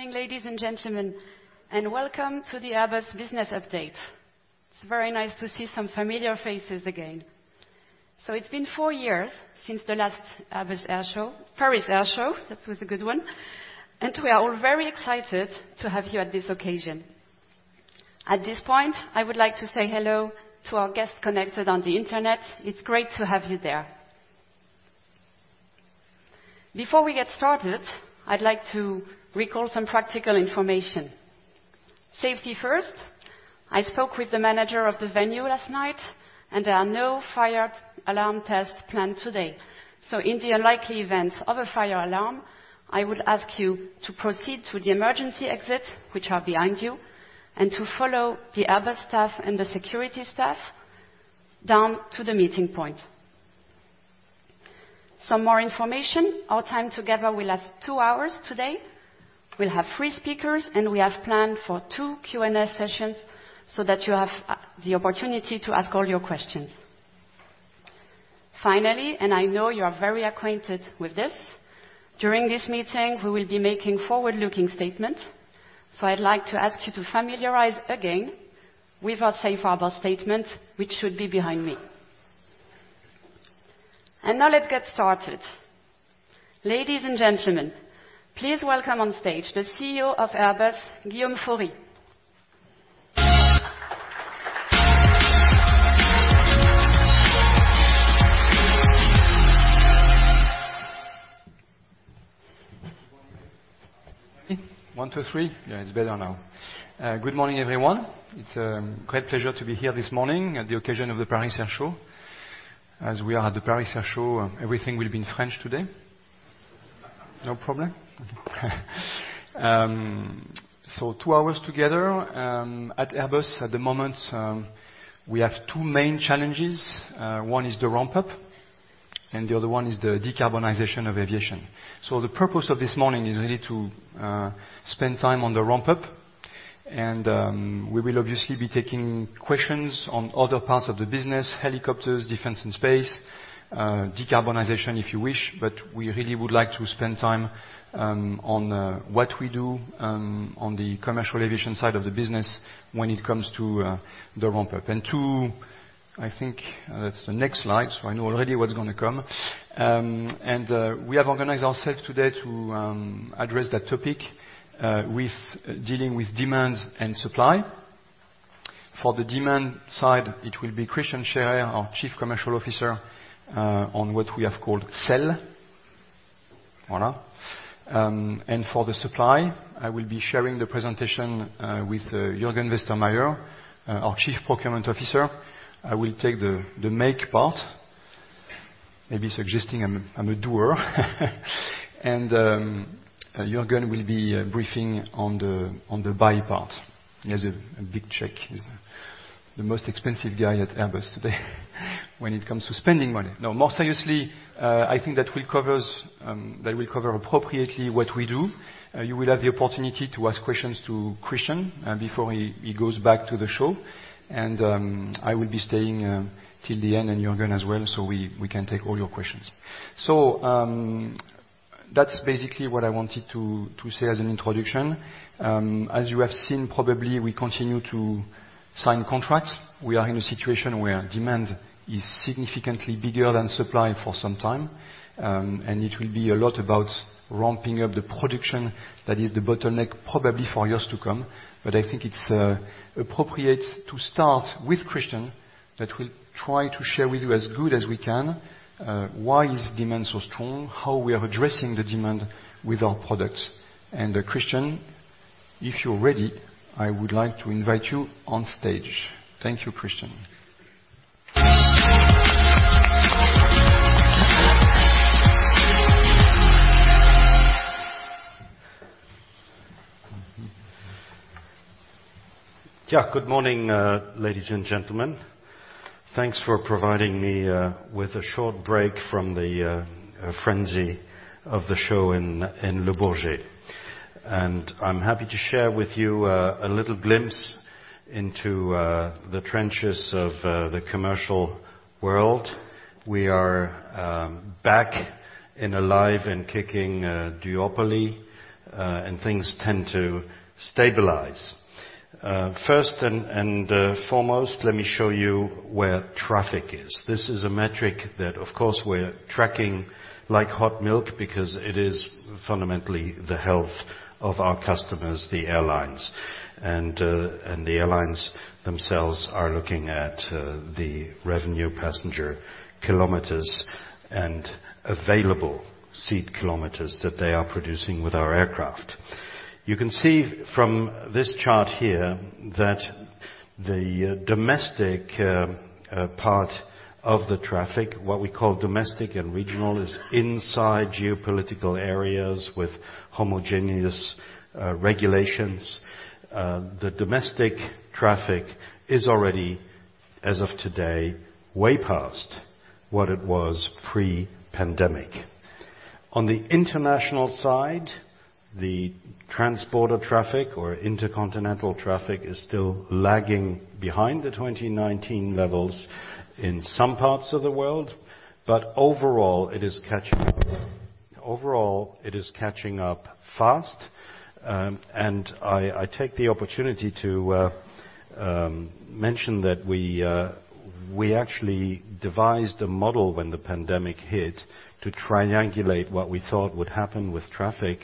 Good morning, ladies and gentlemen, and welcome to the Airbus Business Update. It's very nice to see some familiar faces again. It's been four years since the last Airbus Air Show, Paris Air Show. That was a good one, and we are all very excited to have you at this occasion. At this point, I would like to say hello to our guests connected on the Internet. It's great to have you there. Before we get started, I'd like to recall some practical information. Safety first. I spoke with the manager of the venue last night, and there are no fire alarm tests planned today. In the unlikely event of a fire alarm, I would ask you to proceed to the emergency exit, which are behind you, and to follow the Airbus staff and the security staff down to the meeting point. Some more information, our time together will last two hours today. We'll have three speakers, we have planned for two Q&A sessions so that you have the opportunity to ask all your questions. Finally, I know you are very acquainted with this, during this meeting, we will be making forward-looking statements, so I'd like to ask you to familiarize again with our safe harbor statement, which should be behind me. Now, let's get started. Ladies and gentlemen, please welcome on stage the CEO of Airbus, Guillaume Faury. One, two, three. Yeah, it's better now. Good morning, everyone. It's a great pleasure to be here this morning at the occasion of the Paris Air Show. As we are at the Paris Air Show, everything will be in French today. No problem? Two hours together at Airbus. At the moment, we have two main challenges. One is the ramp-up, and the other one is the decarbonization of aviation. The purpose of this morning is really to spend time on the ramp-up, and we will obviously be taking questions on other parts of the business, helicopters, Defense and Space, decarbonization, if you wish. We really would like to spend time on what we do on the commercial aviation side of the business when it comes to the ramp-up. I think that's the next slide, so I know already what's going to come. We have organized ourselves today to address that topic with dealing with demands and supply. For the demand side, it will be Christian Scherer, our Chief Commercial Officer, on what we have called "Sell." Voila. For the supply, I will be sharing the presentation with Jürgen Westermeier, our Chief Procurement Officer. I will take the make part, maybe suggesting I'm a doer. Jürgen will be briefing on the buy part. He has a big check. He's the most expensive guy at Airbus today when it comes to spending money. No, more seriously, I think that will covers, that will cover appropriately what we do. You will have the opportunity to ask questions to Christian before he goes back to the show. I will be staying till the end, and Jürgen as well, so we can take all your questions. That's basically what I wanted to say as an introduction. As you have seen, probably, we continue to sign contracts. We are in a situation where demand is significantly bigger than supply for some time, and it will be a lot about ramping up the production. That is the bottleneck, probably for years to come. I think it's appropriate to start with Christian, that will try to share with you as good as we can, why is demand so strong, how we are addressing the demand with our products. Christian, if you're ready, I would like to invite you on stage. Thank you, Christian. Yeah. Good morning, ladies and gentlemen. Thanks for providing me with a short break from the frenzy of the show in Le Bourget. I'm happy to share with you a little glimpse into the trenches of the commercial world. We are back in a live-and-kicking duopoly, and things tend to stabilize. First and foremost, let me show you where traffic is. This is a metric that, of course, we're tracking like hot milk because it is fundamentally the health of our customers, the airlines. The airlines themselves are looking at the revenue passenger kilometers and available seat kilometers that they are producing with our aircraft. You can see from this chart here that the domestic part of the traffic, what we call domestic and regional, is inside geopolitical areas with homogeneous regulations. The domestic traffic is as of today, way past what it was pre-pandemic. On the international side, the transporter traffic or intercontinental traffic is still lagging behind the 2019 levels in some parts of the world, but overall, it is catching up. Overall, it is catching up fast, and I take the opportunity to mention that we actually devised a model when the pandemic hit to triangulate what we thought would happen with traffic,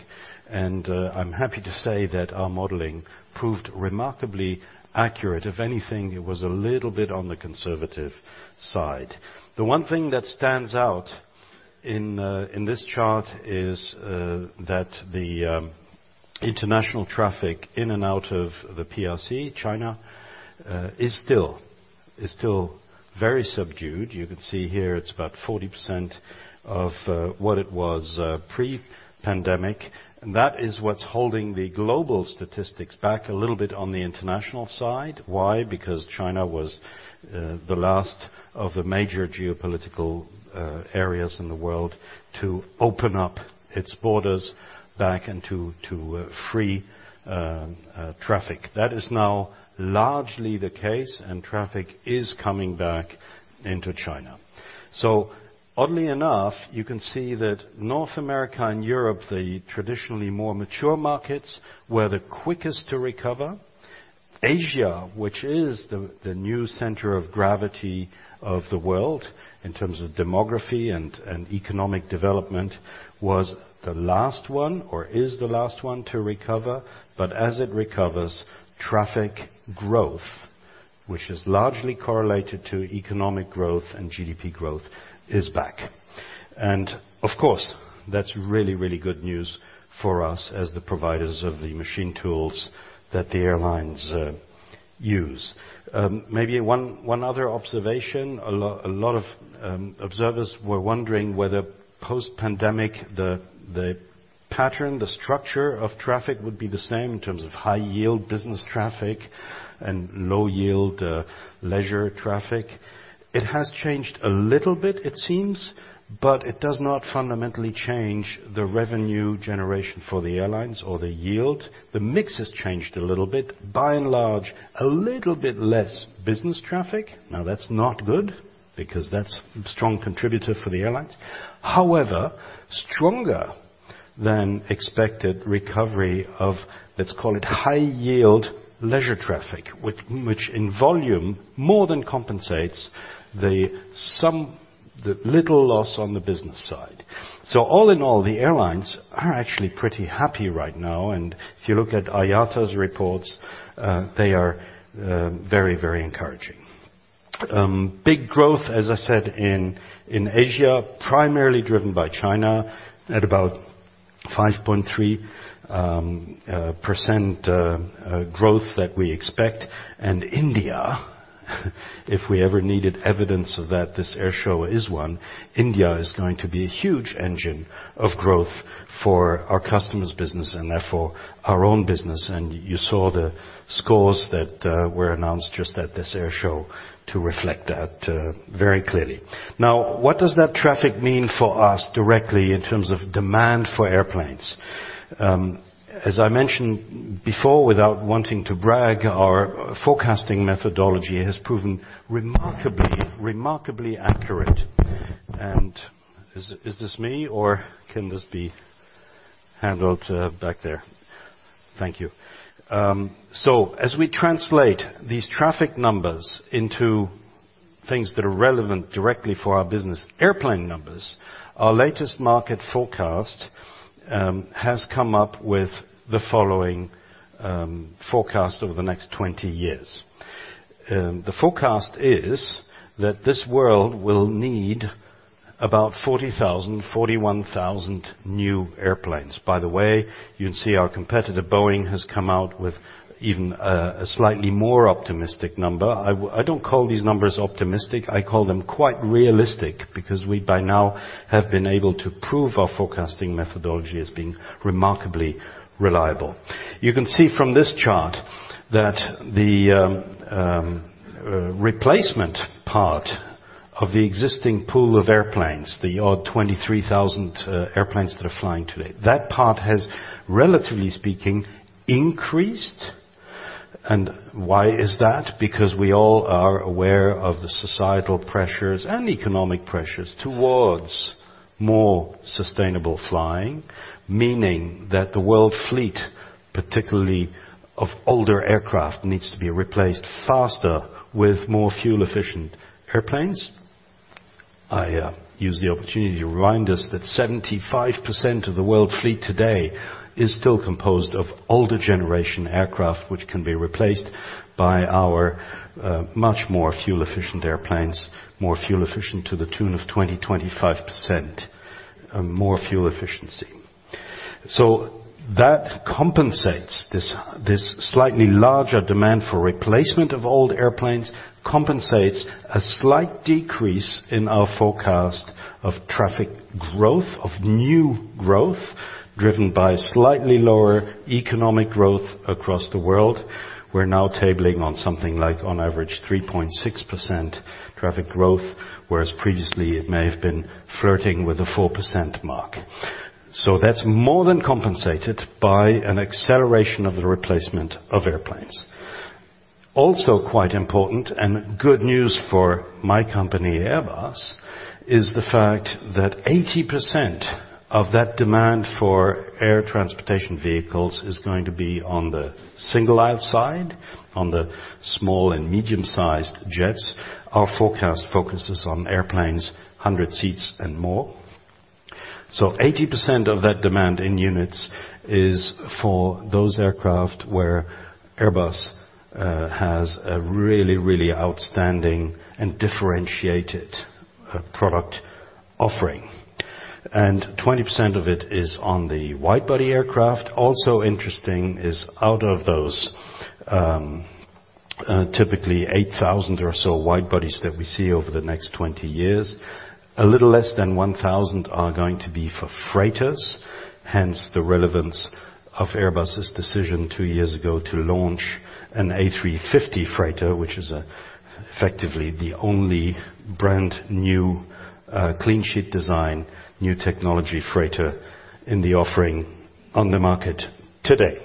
and I'm happy to say that our modeling proved remarkably accurate. If anything, it was a little bit on the conservative side. The one thing that stands out in this chart is that the international traffic in and out of the PRC, China, is still very subdued. You can see here it's about 40% of what it was pre-pandemic, that is what's holding the global statistics back a little bit on the international side. Why? Because China was the last of the major geopolitical areas in the world to open up its borders back into free traffic. That is now largely the case, traffic is coming back into China. Oddly enough, you can see that North America and Europe, the traditionally more mature markets, were the quickest to recover. Asia, which is the new center of gravity of the world in terms of demography and economic development, was the last one, or is the last one to recover. As it recovers, traffic growth, which is largely correlated to economic growth and GDP growth, is back. Of course, that's really, really good news for us as the providers of the machine tools that the airlines use. Maybe one other observation. A lot of observers were wondering whether post-pandemic, the pattern, the structure of traffic would be the same in terms of high-yield business traffic and low-yield leisure traffic. It has changed a little bit, it seems, it does not fundamentally change the revenue generation for the airlines or the yield. The mix has changed a little bit. By and large, a little bit less business traffic. That's not good because that's a strong contributor for the airlines. However, stronger than expected recovery of, let's call it, high-yield leisure traffic, which in volume more than compensates the little loss on the business side. All in all, the airlines are actually pretty happy right now, and if you look at IATA's reports, they are very, very encouraging. Big growth, as I said, in Asia, primarily driven by China, at about 5.3% growth that we expect. India, if we ever needed evidence of that, this air show is one. India is going to be a huge engine of growth for our customers' business and, therefore, our own business, and you saw the scores that were announced just at this air show to reflect that very clearly. What does that traffic mean for us directly in terms of demand for airplanes? As I mentioned before, without wanting to brag, our forecasting methodology has proven remarkably accurate. Is this me, or can this be handled back there? Thank you. As we translate these traffic numbers into things that are relevant directly for our business, airplane numbers, our latest market forecast has come up with the following forecast over the next 20 years. The forecast is that this world will need about 40,000, 41,000 new airplanes. By the way, you can see our competitor, Boeing, has come out with even a slightly more optimistic number. I don't call these numbers optimistic, I call them quite realistic, because we, by now, have been able to prove our forecasting methodology as being remarkably reliable. You can see from this chart that the replacement part of the existing pool of airplanes, the odd 23,000 airplanes that are flying today, that part has, relatively speaking, increased. Why is that? Because we all are aware of the societal pressures and economic pressures towards more sustainable flying, meaning that the world fleet, particularly of older aircraft, needs to be replaced faster with more fuel-efficient airplanes. I use the opportunity to remind us that 75% of the world fleet today is still composed of older generation aircraft, which can be replaced by our much more fuel-efficient airplanes, more fuel efficient to the tune of 20%-25% more fuel efficiency. That compensates this slightly larger demand for replacement of old airplanes, compensates a slight decrease in our forecast of traffic growth, of new growth, driven by slightly lower economic growth across the world. We're now tabling on something like, on average, 3.6% traffic growth, whereas previously, it may have been flirting with the 4% mark. That's more than compensated by an acceleration of the replacement of airplanes. Also, quite important and good news for my company, Airbus, is the fact that 80% of that demand for air transportation vehicles is going to be on the single-aisle side, on the small and medium-sized jets. Our forecast focuses on airplanes, 100 seats and more. 80% of that demand in units is for those aircraft where Airbus has a really outstanding and differentiated product offering, and 20% of it is on the widebody aircraft. Also interesting is out of those, typically 8,000 or so widebodies that we see over the next 20 years, a little less than 1,000 are going to be for freighters. Hence, the relevance of Airbus' decision two years ago to launch an A350 freighter, which is effectively the only brand-new, clean sheet design, new technology freighter in the offering on the market today.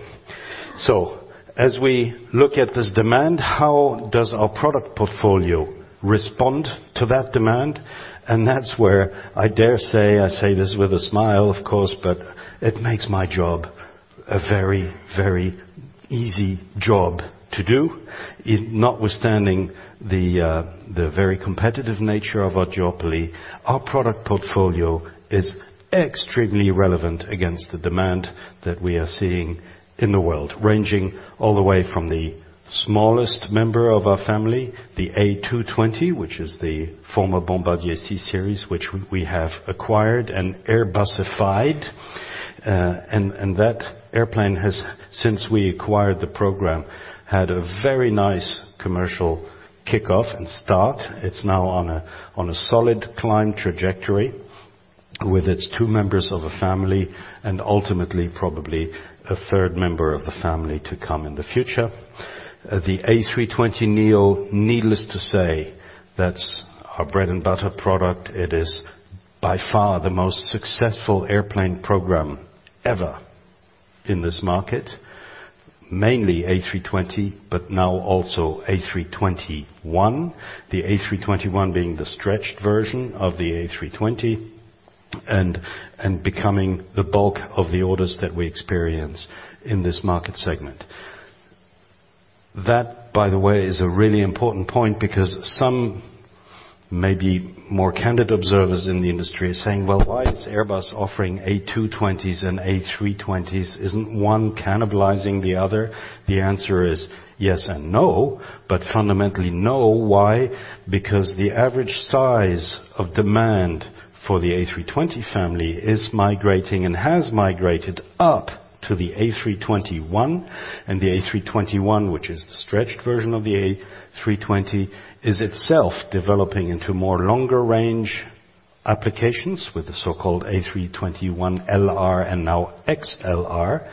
As we look at this demand, how does our product portfolio respond to that demand? That's where I dare say, I say this with a smile, of course, but it makes my job a very, very easy job to do. Notwithstanding the very competitive nature of our duopoly, our product portfolio is extremely relevant against the demand that we are seeing in the world, ranging all the way from the smallest member of our family, the A220, which is the former Bombardier C Series, which we have acquired and Airbusified. And that airplane has, since we acquired the program, had a very nice commercial kickoff and start. It's now on a solid climb trajectory with its two members of a family and ultimately, probably a third member of the family to come in the future. The A320neo, needless to say, that's our bread-and-butter product. It is by far the most successful airplane program ever in this market, mainly A320, but now also A321. The A321 being the stretched version of the A320 and becoming the bulk of the orders that we experience in this market segment. That, by the way, is a really important point because some maybe more candid observers in the industry are saying, "Well, why is Airbus offering A220s and A320s? Isn't one cannibalizing the other?" The answer is yes and no, but fundamentally, no. Why? Because the average size of demand for the A320 family is migrating and has migrated up to the A321, and the A321, which is the stretched version of the A320, is itself developing into more longer-range applications with the so-called A321LR and now XLR.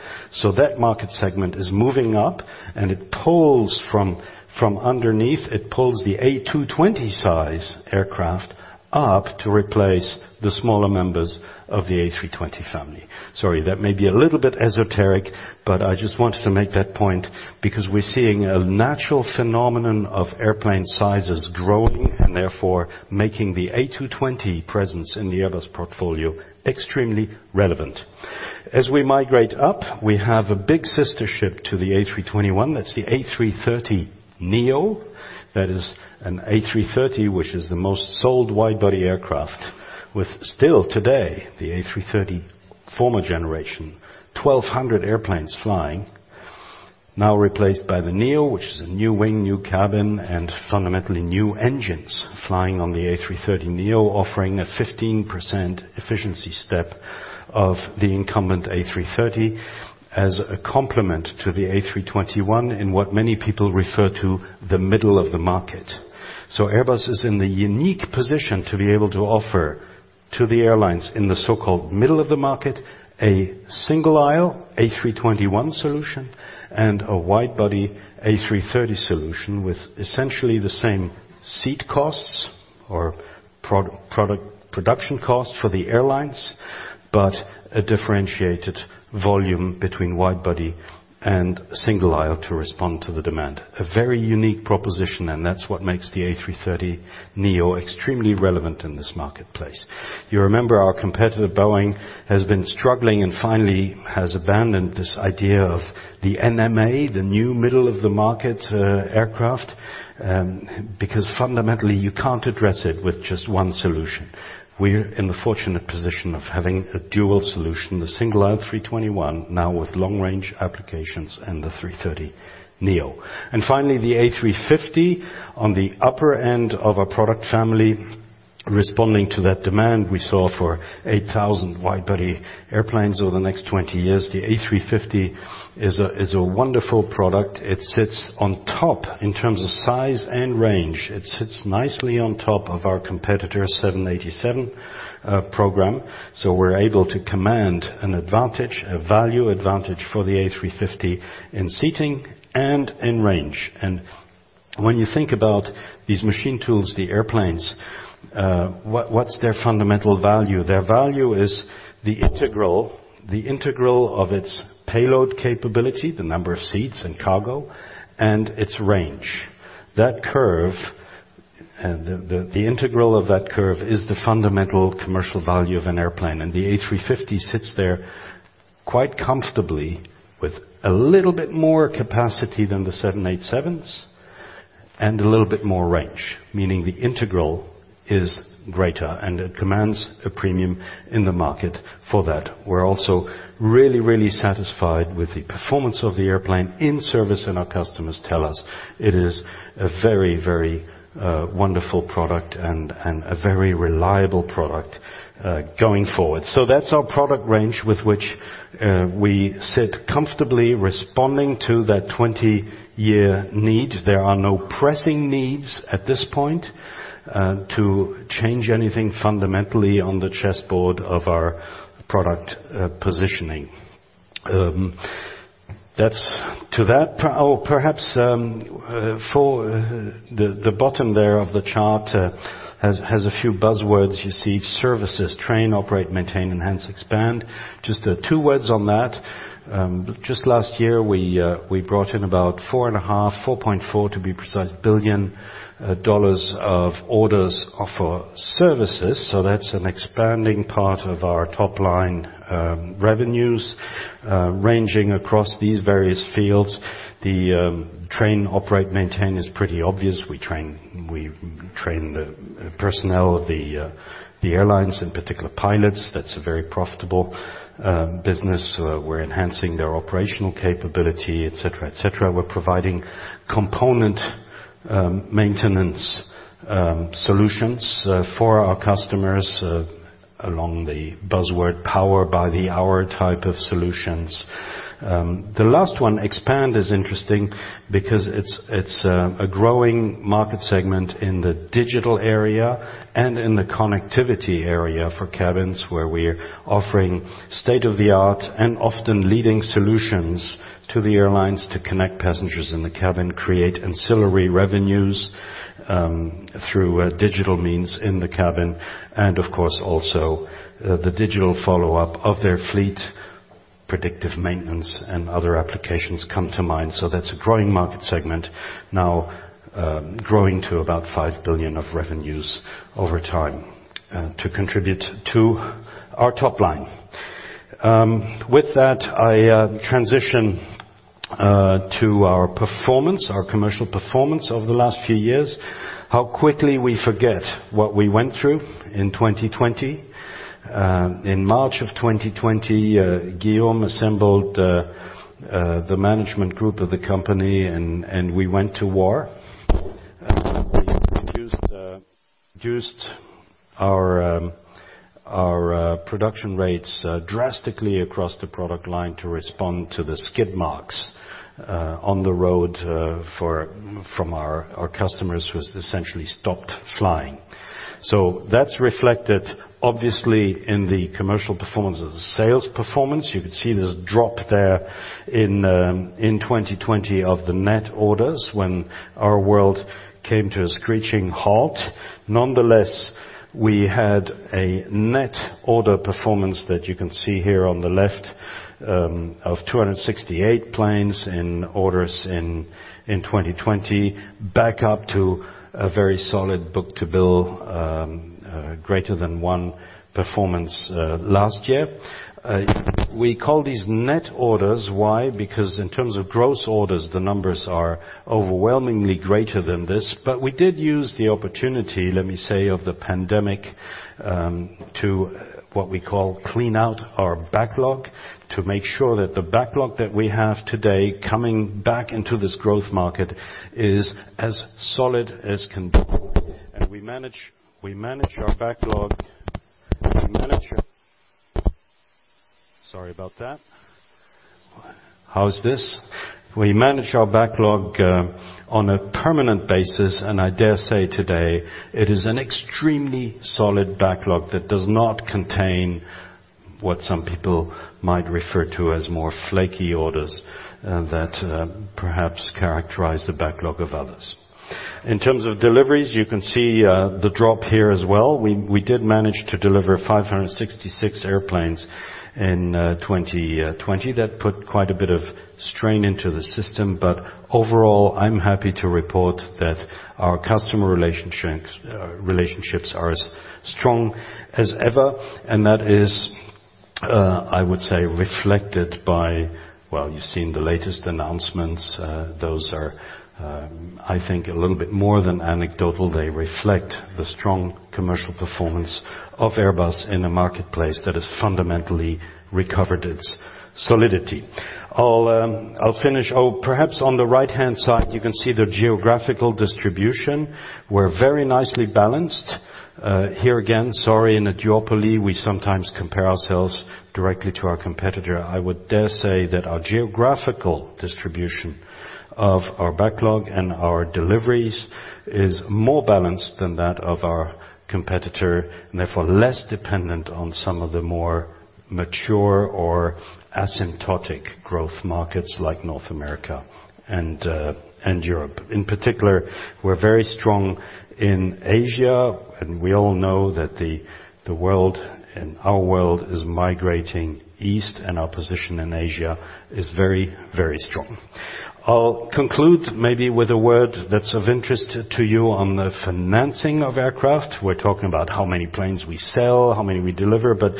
That market segment is moving up, and it pulls from underneath, it pulls the A220 size aircraft up to replace the smaller members of the A320 family. Sorry, that may be a little bit esoteric, but I just wanted to make that point because we're seeing a natural phenomenon of airplane sizes growing and therefore making the A220 presence in the Airbus portfolio extremely relevant. As we migrate up, we have a big sister ship to the A321, that's the A330neo. That is an A330, which is the most sold widebody aircraft, with still today, the A330 former generation, 1,200 airplanes flying, now replaced by the neo, which is a new wing, new cabin, and fundamentally, new engines flying on the A330neo, offering a 15% efficiency step of the incumbent A330 as a complement to the A321 in what many people refer to the middle of the market. Airbus is in the unique position to be able to offer to the airlines in the so-called middle of the market, a single-aisle A321 solution and a widebody A330 solution with essentially the same seat costs or production costs for the airlines, but a differentiated volume between widebody and single aisle to respond to the demand. A very unique proposition, and that's what makes the A330neo extremely relevant in this marketplace. You remember our competitor, Boeing, has been struggling and finally has abandoned this idea of the NMA, the new middle-of-the-market aircraft, because fundamentally, you can't address it with just one solution. We're in the fortunate position of having a dual solution, the single-aisle A321, now with long-range applications and the A330neo. Finally, the A350 on the upper end of our product family, responding to that demand we saw for 8,000 wide-body airplanes over the next 20 years. The A350 is a wonderful product. It sits on top in terms of size and range. It sits nicely on top of our competitor's 787 program, we're able to command an advantage, a value advantage for the A350 in seating and in range. When you think about these machine tools, the airplanes, what's their fundamental value? Their value is the integral, the integral of its payload capability, the number of seats and cargo, and its range. That curve, and the integral of that curve, is the fundamental commercial value of an airplane, and the A350 sits there quite comfortably with a little bit more capacity than the 787s and a little bit more range, meaning the integral is greater, and it commands a premium in the market for that. We're also really satisfied with the performance of the airplane in service, and our customers tell us it is a very, very wonderful product and a very reliable product going forward. That's our product range with which we sit comfortably responding to that 20-year need. There are no pressing needs at this point to change anything fundamentally on the chessboard of our product positioning. Perhaps, for the bottom there of the chart, has a few buzzwords. You see services, train, operate, maintain, enhance, expand. Just two words on that. Just last year, we brought in about $4.4 billion, to be precise, of orders of our services, that's an expanding part of our top-line revenues, ranging across these various fields. The train, operate, maintain is pretty obvious. We train the personnel, the airlines, in particular, pilots. That's a very profitable business. We're enhancing their operational capability, et cetera, et cetera. We're providing component maintenance solutions for our customers, along the buzzword power by the hour type of solutions. The last one, Expand, is interesting because it's a growing market segment in the digital area and in the connectivity area for cabins, where we're offering state-of-the-art and often leading solutions to the airlines to connect passengers in the cabin, create ancillary revenues, through digital means in the cabin, and of course, also, the digital follow-up of their fleet. Predictive maintenance and other applications come to mind. That's a growing market segment now, growing to about 5 billion of revenues over time, to contribute to our top line. With that, I transition to our performance, our commercial performance over the last few years, how quickly we forget what we went through in 2020. In March of 2020, Guillaume assembled the management group of the company and we went to war. We reduced our production rates drastically across the product line to respond to the skid marks on the road from our customers, who essentially stopped flying. That's reflected obviously in the commercial performance of the sales performance. You could see there's a drop there in 2020 of the net orders when our world came to a screeching halt. Nonetheless, we had a net order performance that you can see here on the left, of 268 planes in orders in 2020, back up to a very solid book-to-bill greater than one performance last year. We call these net orders. Why? Because in terms of gross orders, the numbers are overwhelmingly greater than this. We did use the opportunity, let me say, of the pandemic, to, what we call, clean out our backlog, to make sure that the backlog that we have today, coming back into this growth market, is as solid as can be. We manage our backlog. Sorry about that. How's this? We manage our backlog, on a permanent basis, I dare say today, it is an extremely solid backlog that does not contain what some people might refer to as more flaky orders, that perhaps characterize the backlog of others. In terms of deliveries, you can see the drop here as well. We did manage to deliver 566 airplanes in 2020. That put quite a bit of strain into the system, but overall, I'm happy to report that our customer relationships are as strong as ever, and that I would say, reflected by, well, you've seen the latest announcements. Those are, I think a little bit more than anecdotal. They reflect the strong commercial performance of Airbus in a marketplace that has fundamentally recovered its solidity. I'll finish. Oh, perhaps on the right-hand side, you can see the geographical distribution. We're very nicely balanced. Here again, sorry, in a duopoly, we sometimes compare ourselves directly to our competitor. I would dare say that our geographical distribution of our backlog and our deliveries is more balanced than that of our competitor, and therefore, less dependent on some of the more mature or asymptotic growth markets like North America and Europe. In particular, we're very strong in Asia, and we all know that the world and our world is migrating east, and our position in Asia is very strong. I'll conclude maybe with a word that's of interest to you on the financing of aircraft. We're talking about how many planes we sell, how many we deliver, but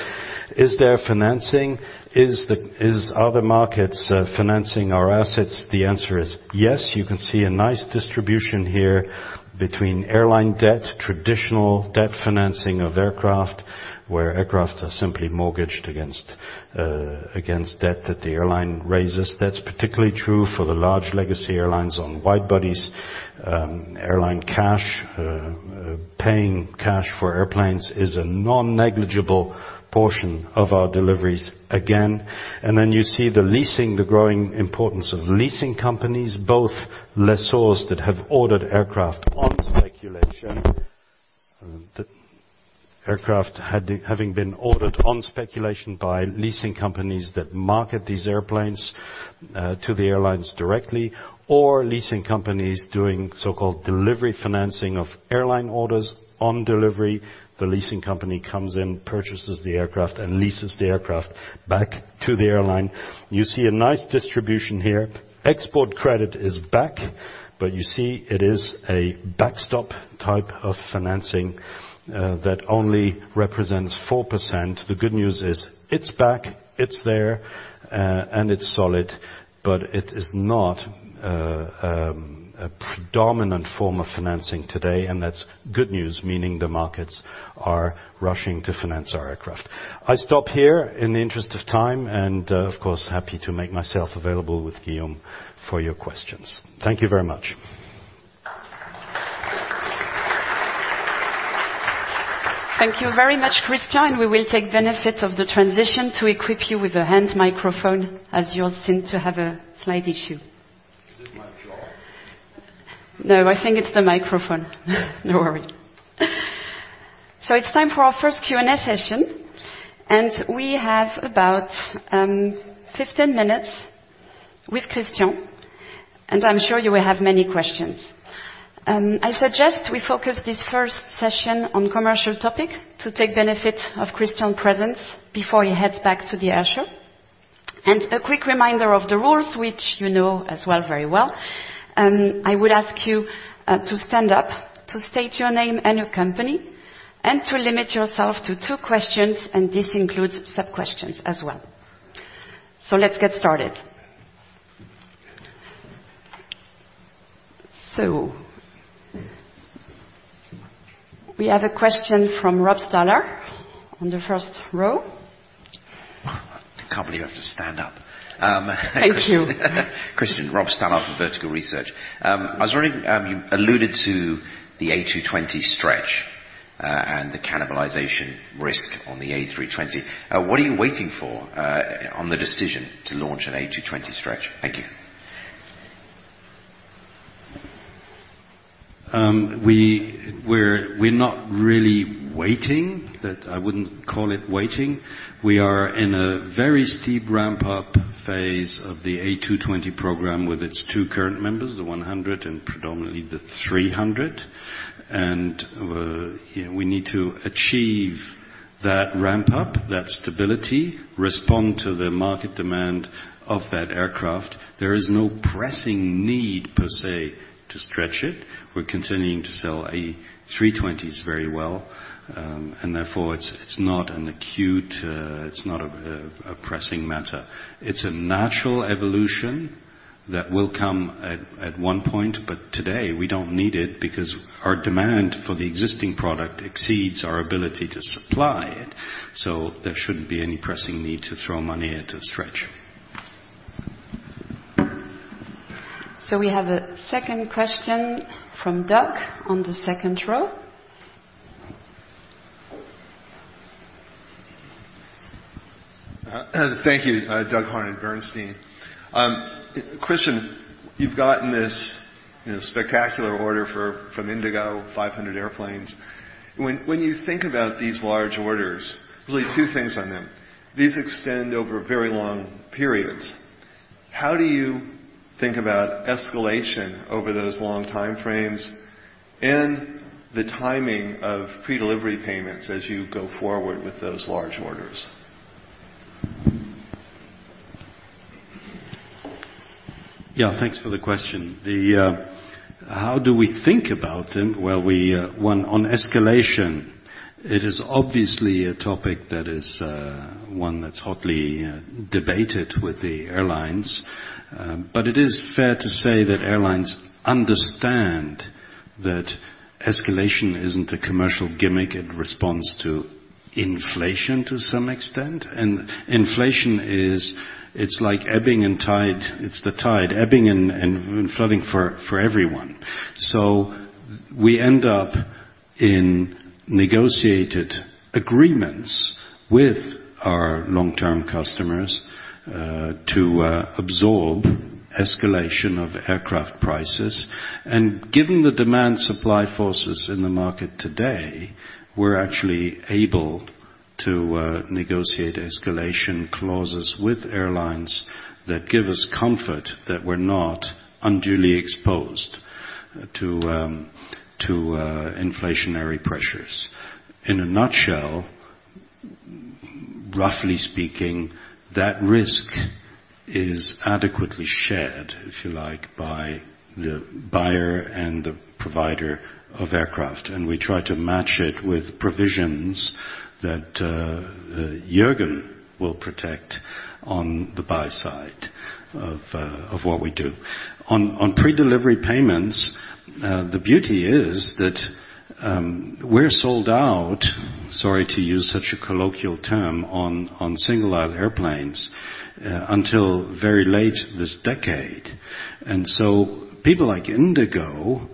is there financing? Are the markets financing our assets? The answer is yes. You can see a nice distribution here between airline debt, traditional debt financing of aircraft, where aircraft are simply mortgaged against debt that the airline raises. That's particularly true for the large legacy airlines on wide-bodies. Airline cash. Paying cash for airplanes is a non-negligible portion of our deliveries again. You see the leasing, the growing importance of leasing companies, both lessors that have ordered aircraft on speculation. The aircraft having been ordered on speculation by leasing companies that market these airplanes to the airlines directly, or leasing companies doing so-called delivery financing of airline orders. On delivery, the leasing company comes in, purchases the aircraft, and leases the aircraft back to the airline. You see a nice distribution here. Export credit is back, but you see it is a backstop type of financing that only represents 4%. The good news is, it's back, it's there, and it's solid, but it is not a predominant form of financing today, and that's good news, meaning the markets are rushing to finance our aircraft. I stop here in the interest of time and, of course, happy to make myself available with Guillaume for your questions. Thank you very much. Thank you very much, Christian, and we will take benefit of the transition to equip you with a hand microphone as yours seem to have a slight issue. Is it my jaw? No, I think it's the microphone. No worry. It's time for our first Q&A session, and we have about, 15 minutes with Christian, and I'm sure you will have many questions. I suggest we focus this first session on commercial topics to take benefit of Christian's presence before he heads back to the air show. A quick reminder of the rules, which you know as well, very well. I would ask you, to stand up, to state your name and your company, and to limit yourself to two questions, and this includes sub-questions as well. Let's get started. We have a question from Rob Stallard on the first row. I can't believe I have to stand up. Thank you. Christian, Rob Stallard from Vertical Research. I was wondering, you alluded to the A220 stretch and the cannibalization risk on the A320. What are you waiting for on the decision to launch an A220 stretch? Thank you. We're not really waiting, but I wouldn't call it waiting. We are in a very steep ramp-up phase of the A220 program with its two current members, the 100 and predominantly the 300. We need to achieve that ramp up, that stability, respond to the market demand of that aircraft. There is no pressing need, per se, to stretch it. We're continuing to sell A320s very well. Therefore, it's not an acute, it's not a pressing matter. It's a natural evolution that will come at one point, but today, we don't need it because our demand for the existing product exceeds our ability to supply it. There shouldn't be any pressing need to throw money at a stretch. We have a 2nd question from Doug on the 2nd row. Thank you. Doug Harned, Bernstein. Christian Scherer, you've gotten this, you know, spectacular order from IndiGo, 500 airplanes. When you think about these large orders, really two things on them, these extend over very long periods. How do you think about escalation over those long time frames and the timing of predelivery payments as you go forward with those large orders? Thanks for the question. The, how do we think about them? Well, we, one, on escalation, it is obviously a topic that is one that's hotly debated with the airlines. It is fair to say that airlines understand that escalation isn't a commercial gimmick. It responds to inflation, to some extent, and inflation is the tide ebbing and flooding for everyone. We end up in negotiated agreements with our long-term customers, to absorb escalation of aircraft prices. Given the demand-supply forces in the market today, we're actually able to negotiate escalation clauses with airlines that give us comfort that we're not unduly exposed to inflationary pressures. In a nutshell, roughly speaking, that risk is adequately shared, if you like, by the buyer and the provider of aircraft, and we try to match it with provisions that Jürgen will protect on the buy side of what we do. On pre-delivery payments, the beauty is that we're sold out, sorry to use such a colloquial term, on single-aisle airplanes until very late this decade. So people like IndiGo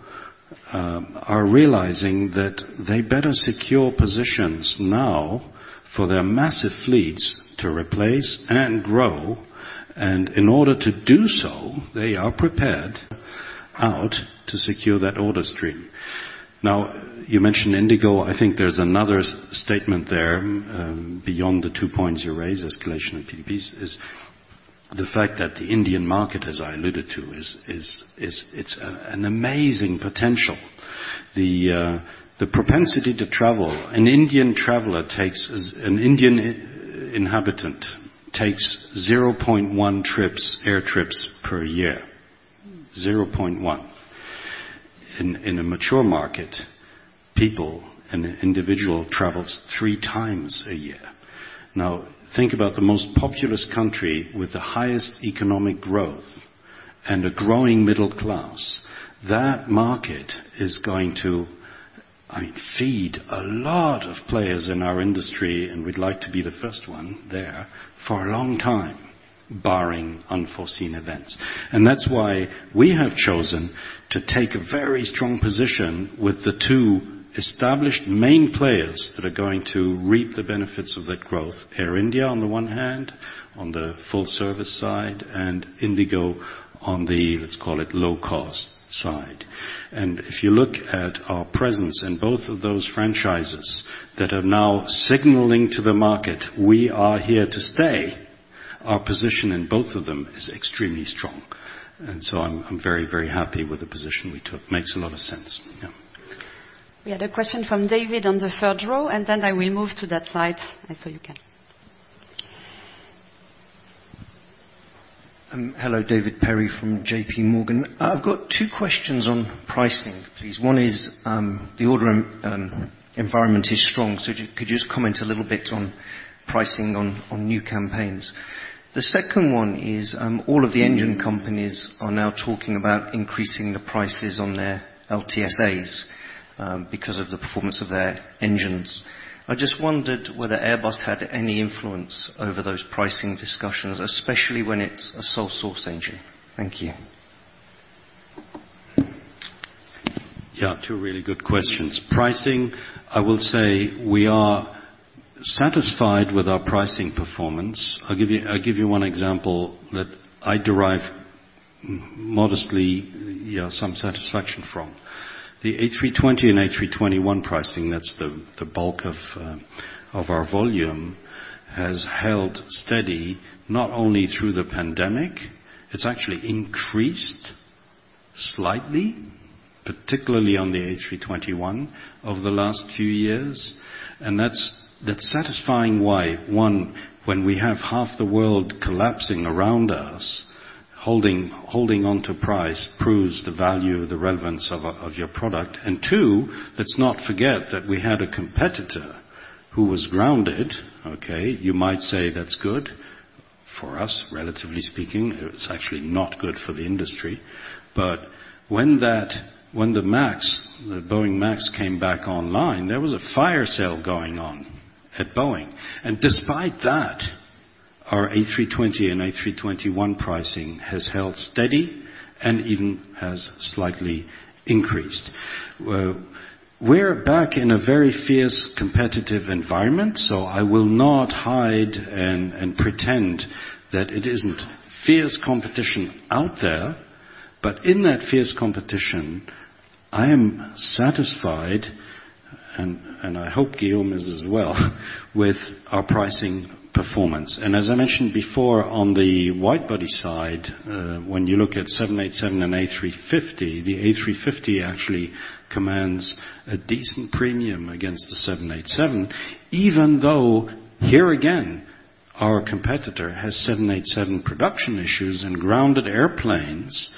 are realizing that they better secure positions now for their massive fleets to replace and grow, and in order to do so, they are prepared out to secure that order stream. You mentioned IndiGo. I think there's another statement there, beyond the two points you raised, escalation and PDPs, is the fact that the Indian market, as I alluded to, is, it's an amazing potential. The propensity to travel, an Indian inhabitant takes 0.1 trips, air trips, per year. 0.1. In a mature market, people, an individual, travels three times a year. Think about the most populous country with the highest economic growth and a growing middle class. That market is going to, I mean, feed a lot of players in our industry, and we'd like to be the first one there for a long time, barring unforeseen events. That's why we have chosen to take a very strong position with the two established main players that are going to reap the benefits of that growth, Air India, on the one hand, on the full service side, and IndiGo on the, let's call it, low cost side. If you look at our presence in both of those franchises that are now signaling to the market, we are here to stay, our position in both of them is extremely strong. I'm very, very happy with the position we took. Makes a lot of sense. Yeah. We had a question from David on the 3rd row, and then I will move to that side, and so you can. Hello, David Perry from J.P. Morgan. I've got two questions on pricing, please. One is, the order environment is strong, so could you just comment a little bit on pricing on new campaigns? The second one is, all of the engine companies are now talking about increasing the prices on their LTSAs because of the performance of their engines. I just wondered whether Airbus had any influence over those pricing discussions, especially when it's a sole source engine. Thank you. Yeah, two really good questions. Pricing, I will say we are satisfied with our pricing performance. I'll give you one example that I derive modestly, yeah, some satisfaction from. The A320 and A321 pricing, that's the bulk of our volume, has held steady, not only through the pandemic, it's actually increased slightly, particularly on the A321 over the last few years, and that's satisfying why, one, when we have half the world collapsing around us, holding on to price proves the value, the relevance of your product. Two, let's not forget that we had a competitor who was grounded, okay? You might say, "That's good for us," relatively speaking. It's actually not good for the industry. When the MAX, the Boeing MAX, came back online, there was a fire sale going on at Boeing, and despite that, our A320 and A321 pricing has held steady and even has slightly increased. Well, we're back in a very fierce, competitive environment, I will not hide and pretend that it isn't fierce competition out there. In that fierce competition, I am satisfied, and I hope Guillaume is as well, with our pricing performance. As I mentioned before, on the widebody side, when you look at 787 and A350, the A350 actually commands a decent premium against the 787, even though. Our competitor has 787 production issues and grounded airplanes,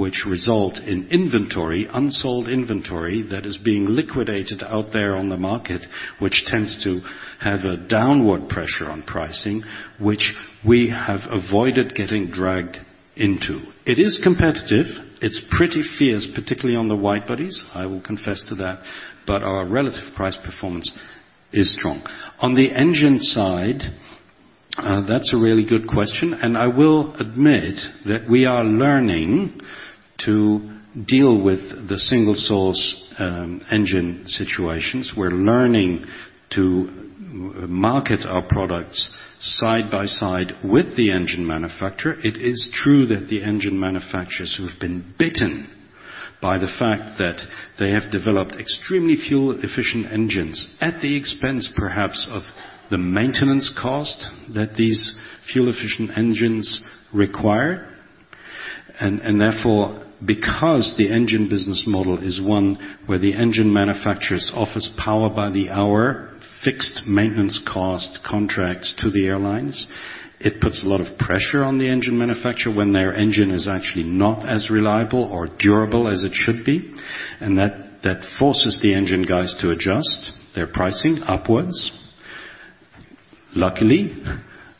which result in inventory, unsold inventory, that is being liquidated out there on the market, which tends to have a downward pressure on pricing, which we have avoided getting dragged into. It is competitive. It's pretty fierce, particularly on the wide-bodies, I will confess to that, but our relative price performance is strong. On the engine side, that's a really good question, I will admit that we are learning to deal with the single source engine situations. We're learning to market our products side by side with the engine manufacturer. It is true that the engine manufacturers who have been bitten by the fact that they have developed extremely fuel-efficient engines at the expense, perhaps, of the maintenance cost that these fuel-efficient engines require. Because the engine business model is one where the engine manufacturers offers power by the hour, fixed maintenance cost contracts to the airlines, it puts a lot of pressure on the engine manufacturer when their engine is actually not as reliable or durable as it should be, and that forces the engine guys to adjust their pricing upwards. Luckily,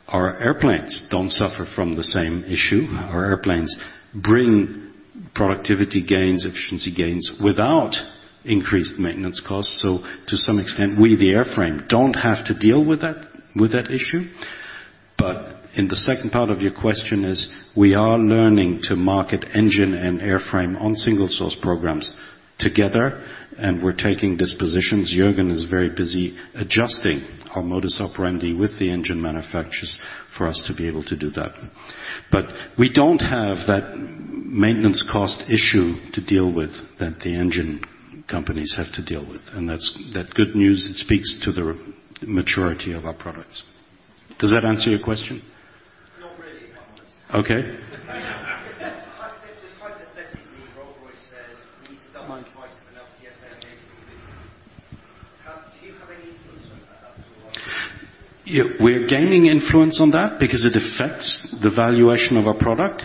our airplanes don't suffer from the same issue. Our airplanes bring productivity gains, efficiency gains without increased maintenance costs. To some extent, we, the airframe, don't have to deal with that, with that issue. The second part of your question is, we are learning to market engine and airframe on single source programs together, and we are taking dispositions. Jürgen is very busy adjusting our modus operandi with the engine manufacturers for us to be able to do that. We don't have that maintenance cost issue to deal with that the engine companies have to deal with, and that good news speaks to the maturity of our products. Does that answer your question? Not really, if I'm honest. Okay. It's quite aesthetically, Rolls-Royce says, we need to double the price of an LTSA engine. Do you have any influence on that at all? Yeah, we're gaining influence on that because it affects the valuation of our product.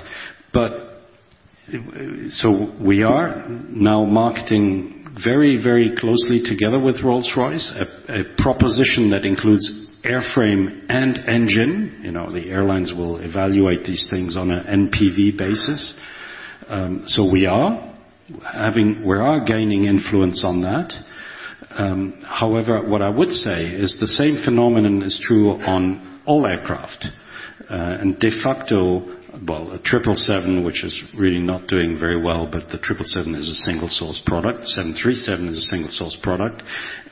We are now marketing very, very closely together with Rolls-Royce, a proposition that includes airframe and engine. You know, the airlines will evaluate these things on a NPV basis. We are gaining influence on that. However, what I would say is the same phenomenon is true on all aircraft, and de facto, well, a triple seven, which is really not doing very well, but the triple seven is a single-source product. 737 is a single-source product,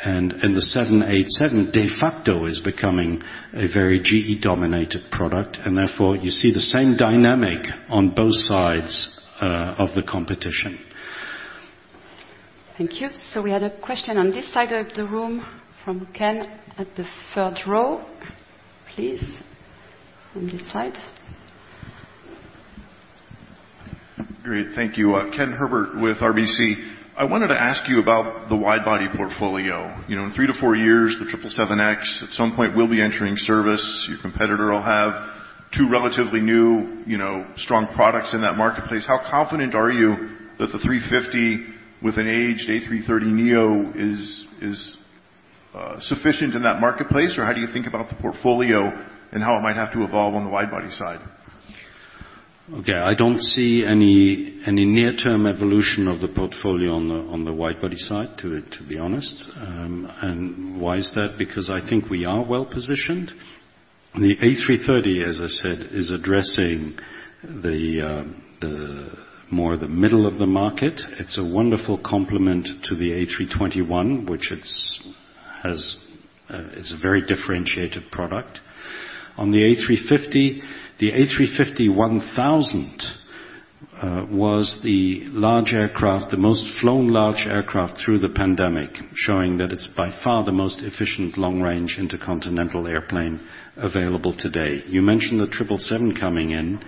and the 787, de facto, is becoming a very GE-dominated product, and therefore, you see the same dynamic on both sides of the competition. Thank you. We had a question on this side of the room from Ken, at the 3rd row. Please, on this side. Great. Thank you. Ken Herbert with RBC. I wanted to ask you about the wide-body portfolio. You know, in three to four years, the 777X, at some point, will be entering service. Your competitor will have two relatively new, you know, strong products in that marketplace. How confident are you that the A350 with an aged A330neo is sufficient in that marketplace? Or how do you think about the portfolio, and how it might have to evolve on the wide-body side? Okay, I don't see any near-term evolution of the portfolio on the wide-body side, to be honest. Why is that? I think we are well-positioned. The A330, as I said, is addressing the more the middle of the market. It's a wonderful complement to the A321, which has a very differentiated product. On the A350, the A350-1000 was the large aircraft, the most flown large aircraft through the pandemic, showing that it's by far the most efficient long-range, intercontinental airplane available today. You mentioned the Triple Seven coming in.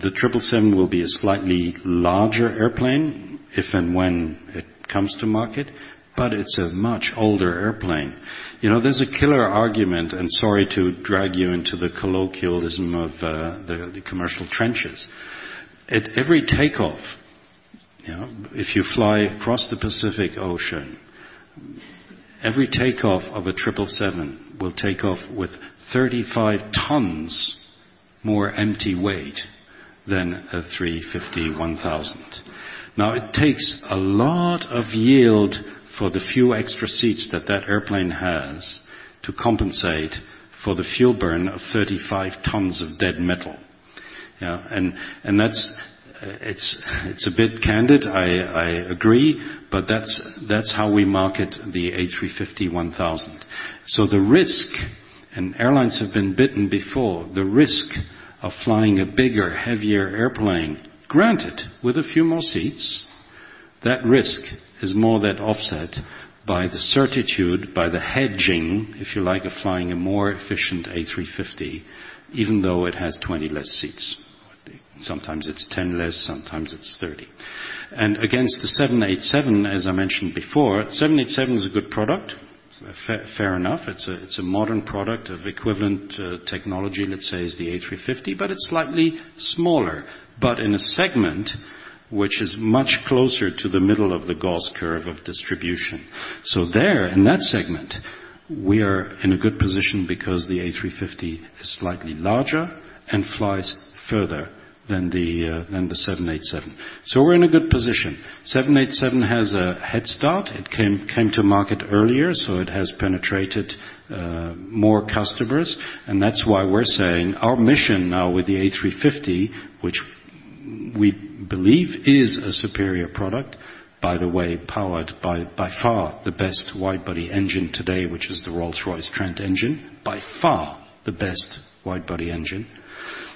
The Triple Seven will be a slightly larger airplane, if and when it comes to market, but it's a much older airplane. You know, there's a killer argument, sorry to drag you into the colloquialism of the commercial trenches. At every takeoff, you know, if you fly across the Pacific Ocean, every takeoff of a 777 will take off with 35 tons more empty weight than a A350-1000. It takes a lot of yield for the few extra seats that airplane has, to compensate for the fuel burn of 35 tons of dead metal. You know, and that's. It's a bit candid, I agree, but that's how we market the A350-1000. The risk, and airlines have been bitten before, the risk of flying a bigger, heavier airplane, granted, with a few more seats, that risk is more than offset by the certitude, by the hedging, if you like, of flying a more efficient A350, even though it has 20 less seats. Sometimes it's 10 less, sometimes it's 30. Against the 787, as I mentioned before, 787 is a good product. Fair, fair enough. It's a, it's a modern product of equivalent technology, let's say, as the A350, but it's slightly smaller, but in a segment which is much closer to the middle of the Gauss curve of distribution. There, in that segment, we are in a good position because the A350 is slightly larger and flies further than the 787. We're in a good position. 787 has a head start. It came to market earlier, so it has penetrated more customers, and that's why we're saying our mission now with the A350, which we believe is a superior product, by the way, powered by far, the best wide-body engine today, which is the Rolls-Royce Trent engine. By far, the best wide-body engine.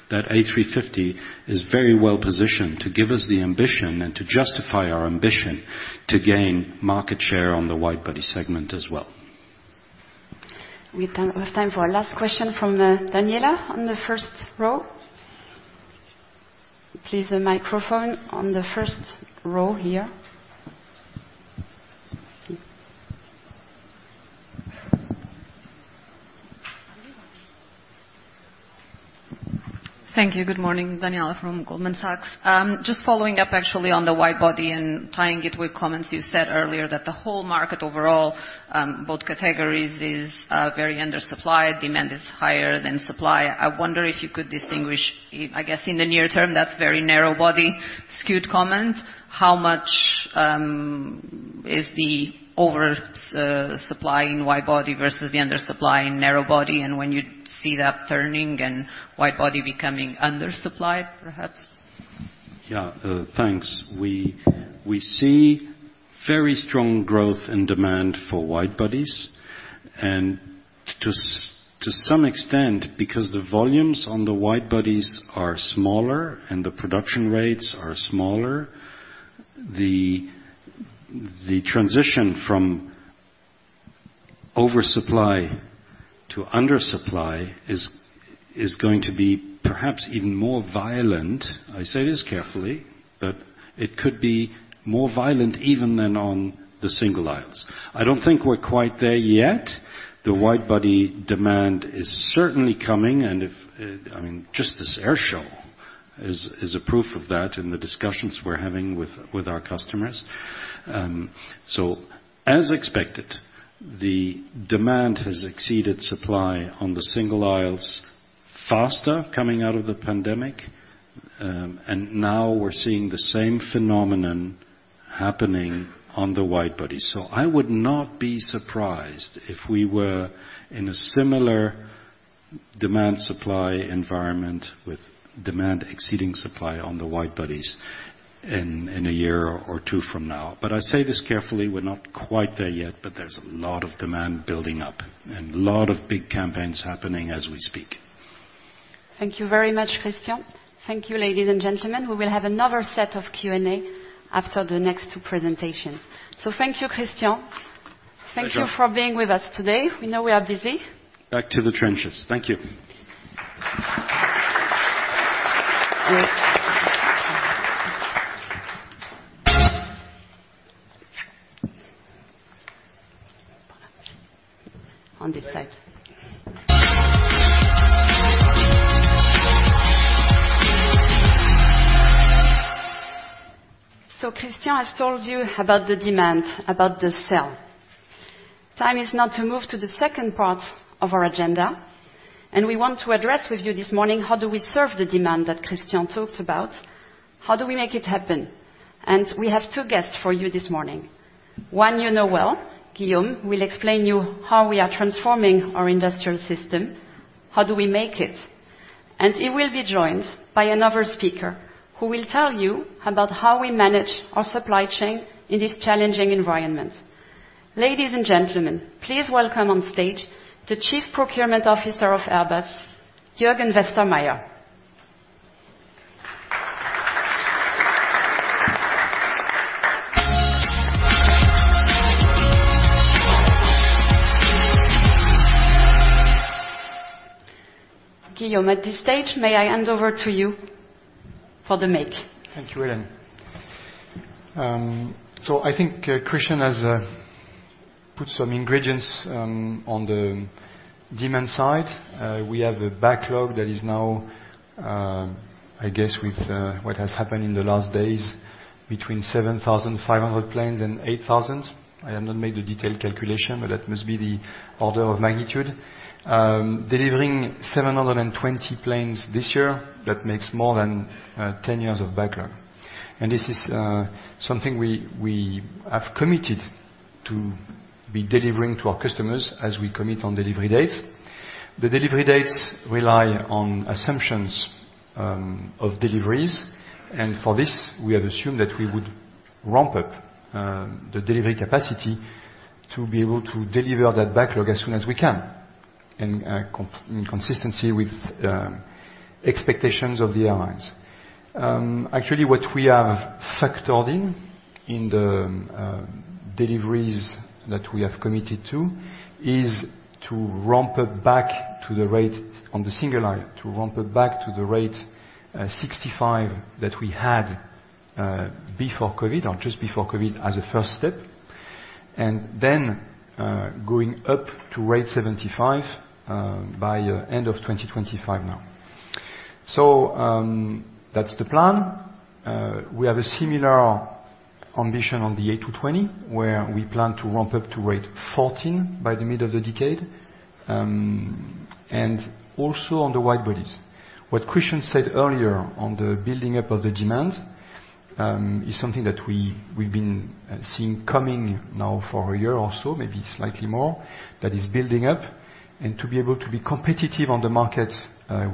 That A350 is very well-positioned to give us the ambition and to justify our ambition to gain market share on the wide-body segment as well. We have time for a last question from Daniela on the first row. Please, the microphone on the first row here. Thank you. Good morning, Daniela from Goldman Sachs. Just following up actually on the wide body and tying it with comments you said earlier, that the whole market overall, both categories, is very undersupplied. Demand is higher than supply. I wonder if you could distinguish, I guess, in the near term, that's very narrow body skewed comment, how much is the over supply in wide-body versus the undersupply in narrow body, and when you'd see that turning and wide body becoming undersupplied, perhaps? Yeah, thanks. We see very strong growth and demand for wide bodies, and to some extent, because the volumes on the wide bodies are smaller and the production rates are smaller, the transition from oversupply to undersupply is going to be perhaps even more violent. I say this carefully, but it could be more violent even than on the single aisles. I don't think we're quite there yet. The wide-body demand is certainly coming, and if, I mean, just this air show is a proof of that in the discussions we're having with our customers. As expected, the demand has exceeded supply on the single aisles faster coming out of the pandemic, and now we're seeing the same phenomenon happening on the wide body. I would not be surprised if we were in a similar demand-supply environment, with demand exceeding supply on the wide bodies in a year or two from now. I say this carefully, we're not quite there yet, but there's a lot of demand building up and a lot of big campaigns happening as we speak. Thank you very much, Christian. Thank you, ladies and gentlemen. We will have another set of Q&A after the next two presentations. Thank you, Christian. Pleasure. Thank you for being with us today. We know we are busy. Back to the trenches. Thank you. On this side. Christian has told you about the demand, about the sell. Time is now to move to the second part of our agenda, and we want to address with you this morning, how do we serve the demand that Christian talked about? How do we make it happen? We have two guests for you this morning. One you know well, Guillaume, will explain you how we are transforming our industrial system, how do we make it? He will be joined by another speaker, who will tell you about how we manage our supply chain in this challenging environment. Ladies and gentlemen, please welcome on stage the Chief Procurement Officer of Airbus, Jürgen Westermeier. Guillaume, at this stage, may I hand over to you for the make? Thank you, Hélène. I think Christian has put some ingredients on the demand side. We have a backlog that is now, I guess, with what has happened in the last days, between 7,500 planes and 8,000. I have not made a detailed calculation, that must be the order of magnitude. Delivering 720 planes this year, that makes more than 10 years of backlog. This is something we have committed to be delivering to our customers as we commit on delivery dates. The delivery dates rely on assumptions of deliveries, for this, we have assumed that we would ramp up the delivery capacity to be able to deliver that backlog as soon as we can, in consistency with expectations of the airlines. Actually, what we have factored in the deliveries that we have committed to, is to ramp up back to the rate on the single aisle, to ramp it back to rate 65 that we had before COVID or just before COVID as a first step, going up to rate 75 by end of 2025 now. That's the plan. We have a similar ambition on the A220, where we plan to ramp up to rate 14 by the middle of the decade, and also on the wide-bodies. What Christian said earlier on the building up of the demand, is something that we've been seeing coming now for a year or so, maybe slightly more, that is building up. To be able to be competitive on the market,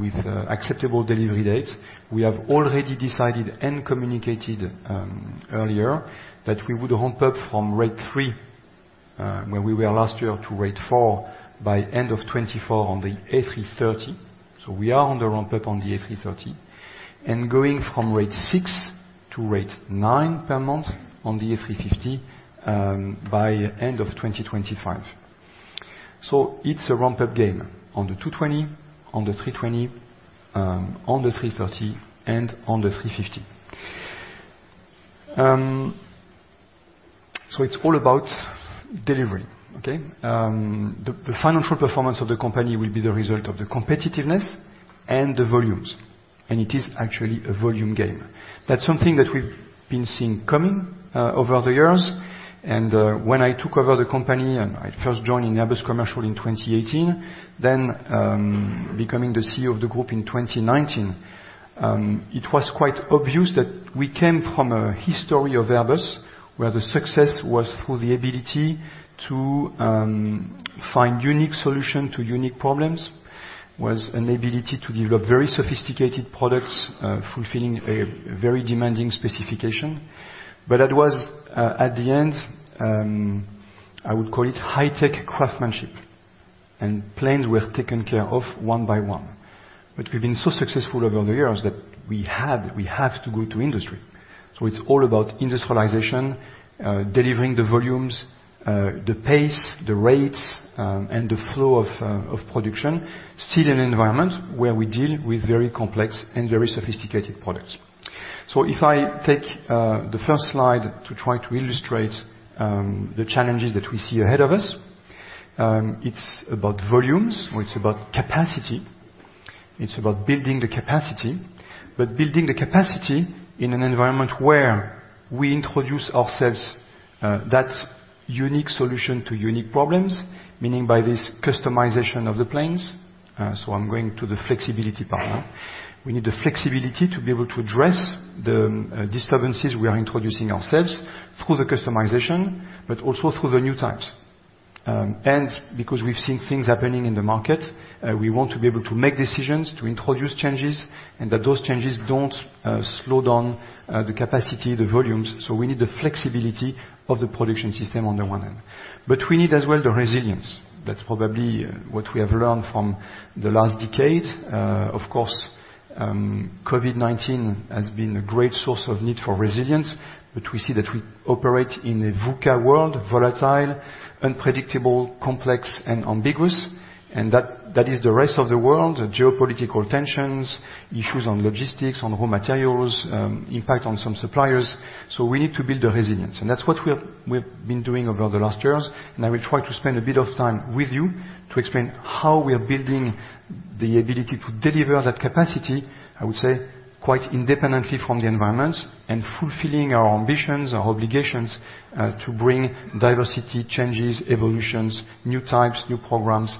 with acceptable delivery dates, we have already decided and communicated earlier, that we would ramp up from rate 3, where we were last year, to rate four by end of 2024 on the A330. We are on the ramp-up on the A330 and going from rate 6 to rate 9 per month on the A350, by end of 2025. It's a ramp-up game on the A220, on the A320, on the A330, and on the A350. It's all about delivery, okay? The financial performance of the company will be the result of the competitiveness and the volumes, and it is actually a volume game. That's something that we've been seeing coming, over the years. When I took over the company and I first joined Airbus Commercial in 2018, then, becoming the CEO of the group in 2019, it was quite obvious that we came from a history of Airbus, where the success was through the ability to, find unique solution to unique problems, was an ability to develop very sophisticated products, fulfilling a very demanding specification. That was, at the end, I would call it high-tech craftsmanship, and planes were taken care of one by one. We've been so successful over the years that we have to go to industry. It's all about industrialization, delivering the volumes, the pace, the rates, and the flow of production. Still in an environment where we deal with very complex and very sophisticated products. If I take the first slide to try to illustrate the challenges that we see ahead of us, it's about volumes, or it's about capacity. It's about building the capacity, but building the capacity in an environment where we introduce ourselves that unique solution to unique problems, meaning by this, customization of the planes. I'm going to the flexibility part now. We need the flexibility to be able to address the disturbances we are introducing ourselves through the customization, but also through the new types. Because we've seen things happening in the market, we want to be able to make decisions, to introduce changes, and that those changes don't slow down the capacity, the volumes. We need the flexibility of the production system on the one hand, but we need as well, the resilience. That's probably what we have learned from the last decade. Of course, COVID-19 has been a great source of need for resilience. We see that we operate in a VUCA world, volatile, unpredictable, complex and ambiguous, and that is the rest of the world. Geopolitical tensions, issues on logistics, on raw materials, impact on some suppliers. We need to build the resilience, and that's what we've been doing over the last years. I will try to spend a bit of time with you to explain how we are building the ability to deliver that capacity, I would say, quite independently from the environment and fulfilling our ambitions, our obligations, to bring diversity, changes, evolutions, new types, new programs,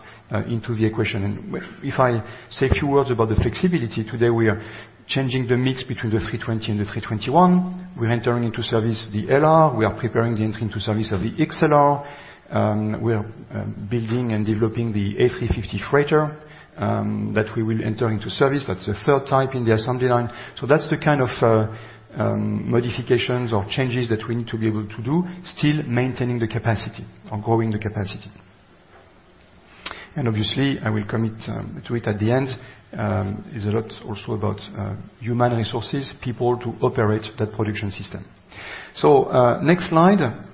into the equation. If I say a few words about the flexibility, today, we are changing the mix between the A320 and the A321. We're entering into service, the LR. We are preparing the entry into service of the XLR. We are building and developing the A350 freighter that we will enter into service. That's the third type in the assembly line. That's the kind of modifications or changes that we need to be able to do, still maintaining the capacity or growing the capacity. Obviously, I will commit to it at the end. It's a lot also about human resources, people to operate that production system. Next slide.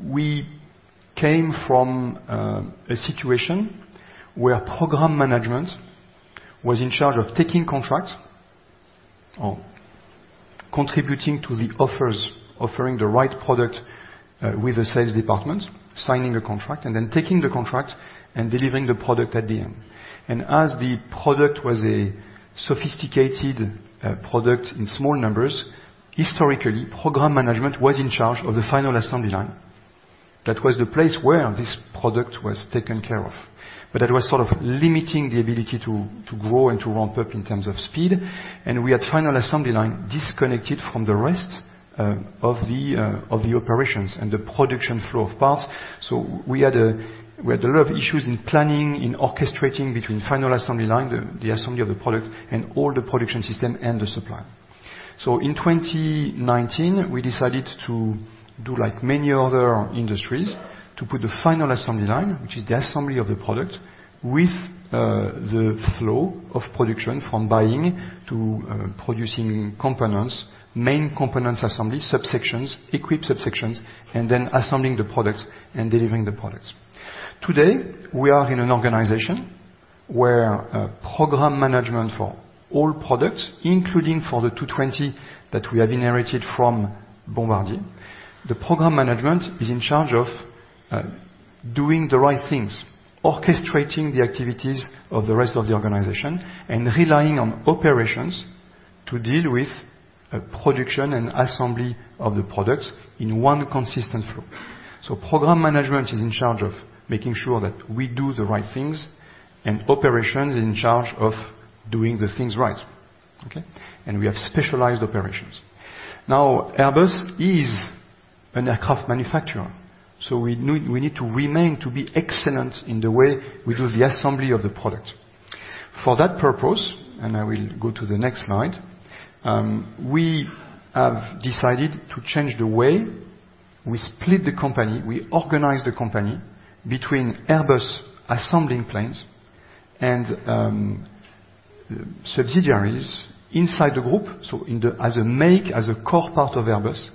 We came from a situation where program management was in charge of taking contracts or contributing to the offers, offering the right product with the sales department, signing the contract, and then taking the contract and delivering the product at the end. As the product was a sophisticated product in small numbers, historically, program management was in charge of the final assembly line. That was the place where this product was taken care of. That was sort of limiting the ability to grow and to ramp up in terms of speed. We had final assembly line disconnected from the rest of the operations and the production flow of parts. We had a lot of issues in planning, in orchestrating between final assembly line, the assembly of the product, and all the production system and the supplier. In 2019, we decided to do, like many other industries, to put the final assembly line, which is the assembly of the product, with the flow of production from buying to producing components, main components, assembly subsections, equipped subsections, and then assembling the products and delivering the products. Today, we are in an organization where program management for all products, including for the A220 that we have inherited from Bombardier. The program management is in charge of doing the right things, orchestrating the activities of the rest of the organization, and relying on operations to deal with production and assembly of the products in one consistent flow. Program management is in charge of making sure that we do the right things, and operations is in charge of doing the things right, okay? We have specialized operations. Airbus is an aircraft manufacturer, so we need to remain to be excellent in the way we do the assembly of the product. For that purpose, I will go to the next slide, we have decided to change the way we split the company. We organize the company between Airbus assembling planes and subsidiaries inside the group, as a core part of Airbus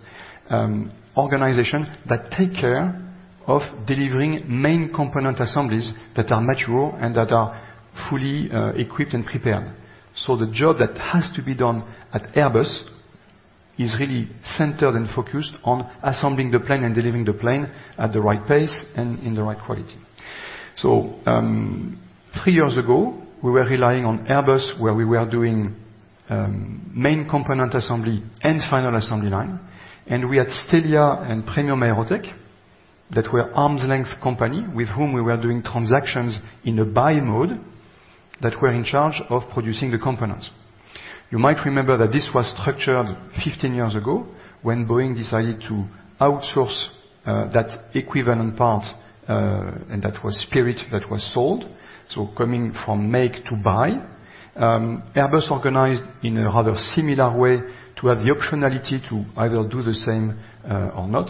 organization that take care of delivering main component assemblies that are mature and that are fully equipped and prepared. The job that has to be done at Airbus is really centered and focused on assembling the plane and delivering the plane at the right pace and in the right quality. Three years ago, we were relying on Airbus, where we were doing main component assembly and final assembly line, and we had STELIA and Premium AEROTEC, that were arm's length company, with whom we were doing transactions in a buy mode, that were in charge of producing the components. You might remember that this was structured 15 years ago, when Boeing decided to outsource that equivalent part, and that was Spirit, that was sold. Coming from make to buy. Airbus organized in a rather similar way to have the optionality to either do the same or not.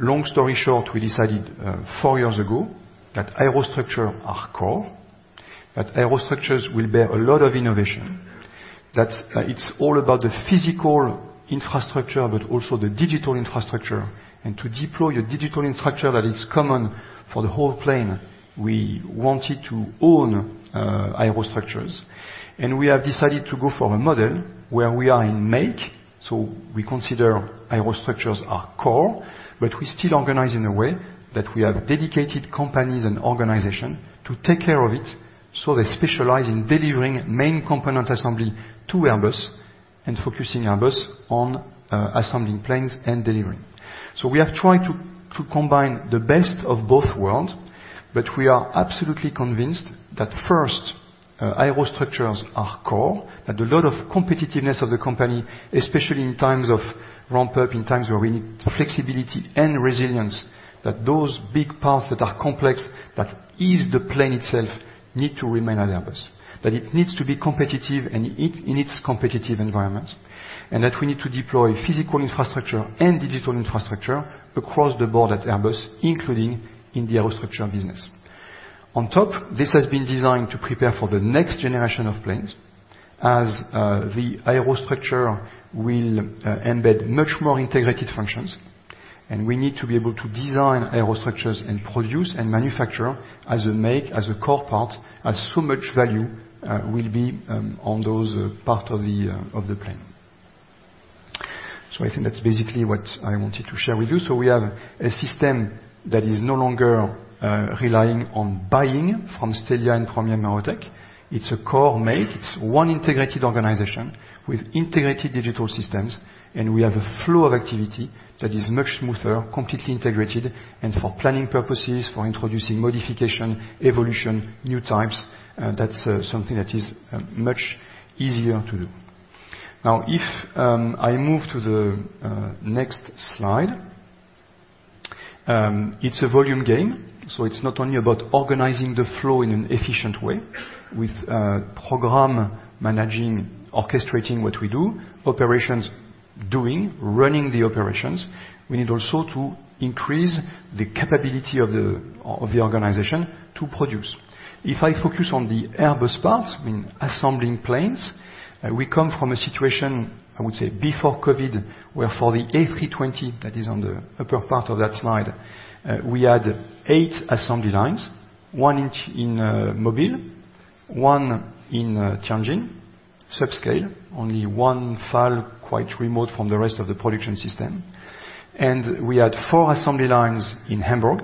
Long story short, we decided four years ago, that aerostructure are core, that aerostructures will bear a lot of innovation. That's it's all about the physical infrastructure, but also the digital infrastructure. To deploy a digital infrastructure that is common for the whole plane, we wanted to own aerostructures, and we have decided to go for a model where we are in make. We consider aerostructures are core, but we still organize in a way that we have dedicated companies and organization to take care of it, so they specialize in delivering main component assembly to Airbus and focusing Airbus on assembling planes and delivering. We have tried to combine the best of both worlds, but we are absolutely convinced that first aerostructures are core, that a lot of competitiveness of the company, especially in times of ramp up, in times where we need flexibility and resilience, that those big parts that are complex, that is the plane itself, need to remain at Airbus. That it needs to be competitive, and it needs competitive environment, and that we need to deploy physical infrastructure and digital infrastructure across the board at Airbus, including in the aerostructure business. On top, this has been designed to prepare for the next generation of planes, as the aerostructure will embed much more integrated functions, and we need to be able to design aerostructures and produce and manufacture as a make, as a core part, as so much value will be on those parts of the plane. I think that's basically what I wanted to share with you. We have a system that is no longer relying on buying from STELIA and from Premium AEROTEC. It's a core make. It's one integrated organization with integrated digital systems, and we have a flow of activity that is much smoother, completely integrated, and for planning purposes, for introducing modification, evolution, new types, that's something that is much easier to do. If I move to the next slide, it's a volume game, so it's not only about organizing the flow in an efficient way with program managing, orchestrating what we do, operations doing, running the operations. We need also to increase the capability of the organization to produce. If I focus on the Airbus part, I mean, assembling planes, we come from a situation, I would say, before Covid, where for the A320, that is on the upper part of that slide, we had eight assembly lines, one in Mobile, one in Tianjin, subscale, only one file, quite remote from the rest of the production system. We had four assembly lines in Hamburg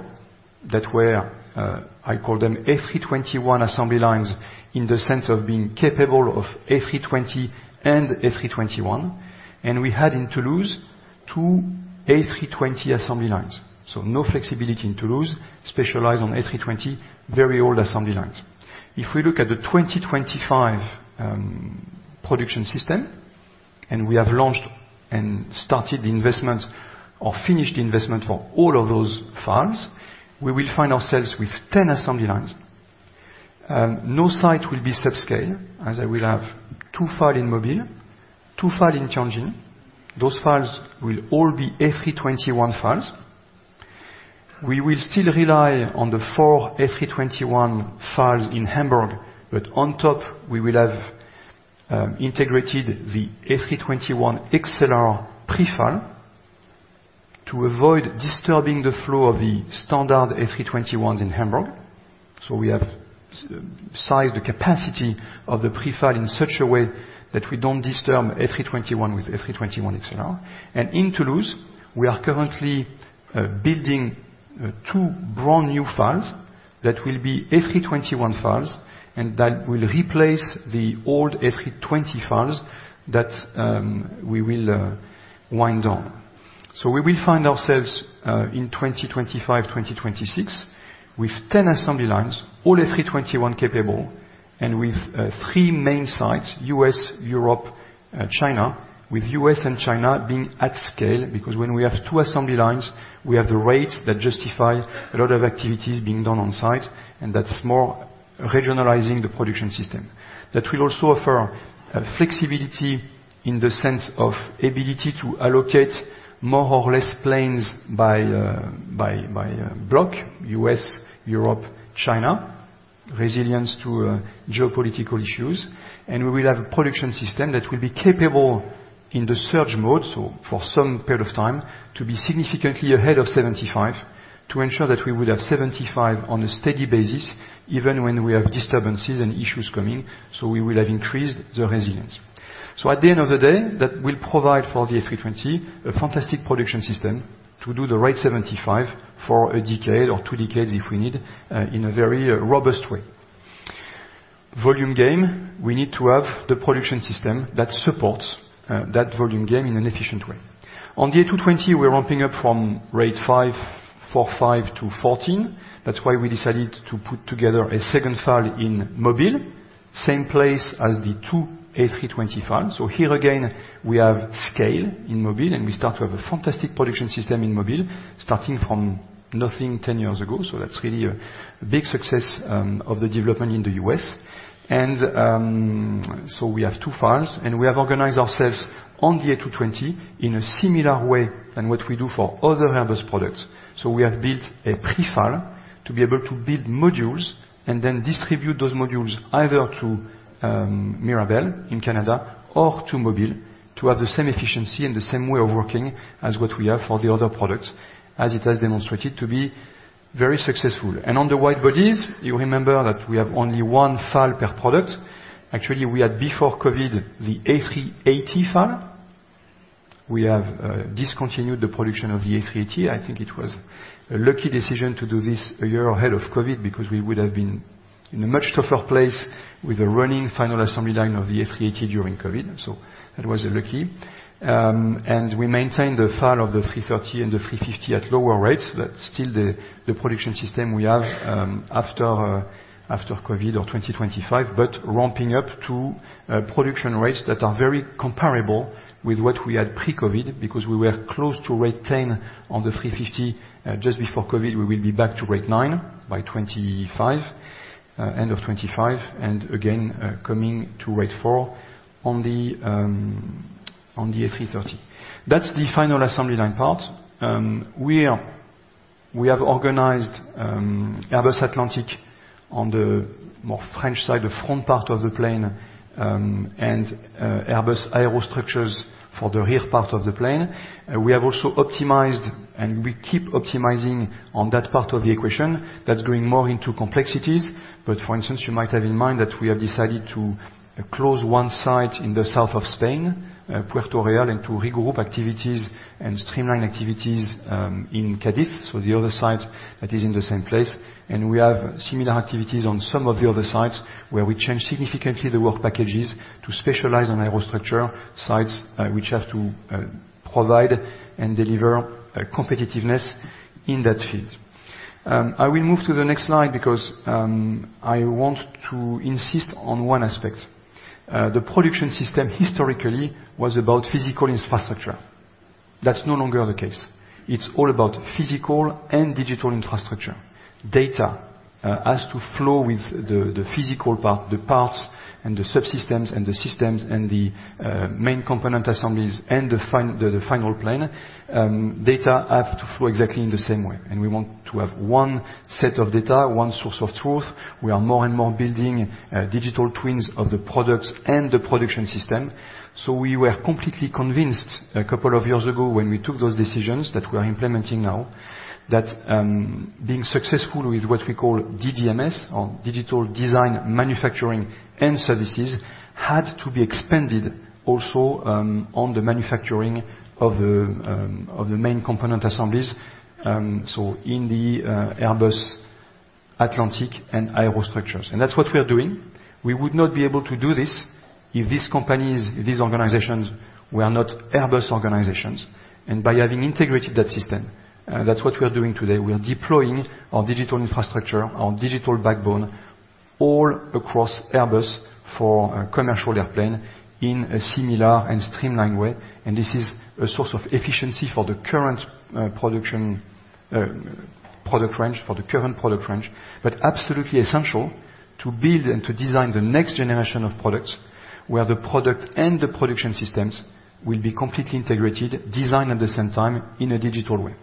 that were, I call them A321 assembly lines, in the sense of being capable of A320 and A321. We had in Toulouse, two A320 assembly lines, so no flexibility in Toulouse, specialize on A320, very old assembly lines. If we look at the 2025 production system, we have launched and started the investment or finished the investment for all of those files, we will find ourselves with 10 assembly lines. No site will be subscale, as I will have tow FAL in Mobile, two FAL in Tianjin. Those FALs will all be A321 FALs. We will still rely on the four A321 FALs in Hamburg. On top, we will have integrated the A321 XLR pre-FAL to avoid disturbing the flow of the standard A321s in Hamburg. We have sized the capacity of the pre-FAL in such a way that we don't disturb A321 with A321 XLR. In Toulouse, we are currently building two brand-new FALs that will be A321 FALs, and that will replace the old A320 FALs that we will wind down. We will find ourselves in 2025, 2026, with 10 assembly lines, all A321 capable, and with three main sites, U.S., Europe, China, with U.S and China being at scale, because when we have two assembly lines, we have the rates that justify a lot of activities being done on site, and that's more regionalizing the production system. Will also offer flexibility in the sense of ability to allocate more or less planes by block, U.S., Europe, China, resilience to geopolitical issues. We will have a production system that will be capable in the surge mode, so for some period of time, to be significantly ahead of 75, to ensure that we will have 75 on a steady basis, even when we have disturbances and issues coming. We will have increased the resilience. At the end of the day, that will provide for the A320, a fantastic production system to do the right 75 for a decade or two decades, if we need, in a very robust way. Volume game, we need to have the production system that supports that volume game in an efficient way. On the A220, we're ramping up from rate four to five to 14. That's why we decided to put together a second FAL in Mobile, same place as the two A320 FAL. Here again, we have scale in Mobile, and we start to have a fantastic production system in Mobile, starting from nothing 10 years ago. That's really a big success of the development in the U.S.. We have two FALs, and we have organized ourselves on the A220 in a similar way than what we do for other Airbus products. We have built a pre-FAL to be able to build modules, and then distribute those modules either to Mirabel in Canada or to Mobile, to have the same efficiency and the same way of working as what we have for the other products, as it has demonstrated to be very successful. On the wide-bodies, you remember that we have only one FAL per product. Actually, we had, before COVID, the A380 FAL. We have discontinued the production of the A380. I think it was a lucky decision to do this a year ahead of COVID, because we would have been in a much tougher place with a running final assembly line of the A380 during COVID, so that was lucky. We maintained the FAL of the A330 and the A350 at lower rates, but still the production system we have after COVID or 2025, but ramping up to production rates that are very comparable with what we had pre-COVID, because we were close to rate 10 on the A350 just before COVID. We will be back to rate nine by 2025, end of 2025, coming to rate 4 on the A330. That's the final assembly line part. We have organized Airbus Atlantic on the more French side, the front part of the plane, and Airbus Aerostructures for the rear part of the plane. We have also optimized, and we keep optimizing on that part of the equation. That's going more into complexities. For instance, you might have in mind that we have decided to close one site in the south of Spain, Puerto Real, and to regroup activities and streamline activities in Cadiz, so the other site that is in the same place. We have similar activities on some of the other sites, where we change significantly the work packages to specialize on Aerostructure sites, which have to provide and deliver competitivenes in that field. I will move to the next slide because I want to insist on one aspect. The production system historically was about physical infrastructure. That's no longer the case. It's all about physical and digital infrastructure. Data has to flow with the physical part, the parts and the subsystems and the systems and the main component assemblies and the final plane. Data have to flow exactly in the same way, and we want to have one set of data, one source of truth. We are more and more building digital twins of the products and the production system. We were completely convinced a couple of years ago when we took those decisions, that we are implementing now, that being successful with what we call DDMS or Digital Design Manufacturing and Services, had to be expanded also on the manufacturing of the of the main component assemblies, so in the Airbus Atlantic and Aerostructures. That's what we are doing. We would not be able to do this if these companies, these organizations, were not Airbus organizations. By having integrated that system, that's what we are doing today. We are deploying our digital infrastructure, our digital backbone, all across Airbus for commercial airplane in a similar and streamlined way. This is a source of efficiency for the current production system. product range, for the current product range, but absolutely essential to build and to design the next generation of products, where the product and the production systems will be completely integrated, designed at the same time in a digital way.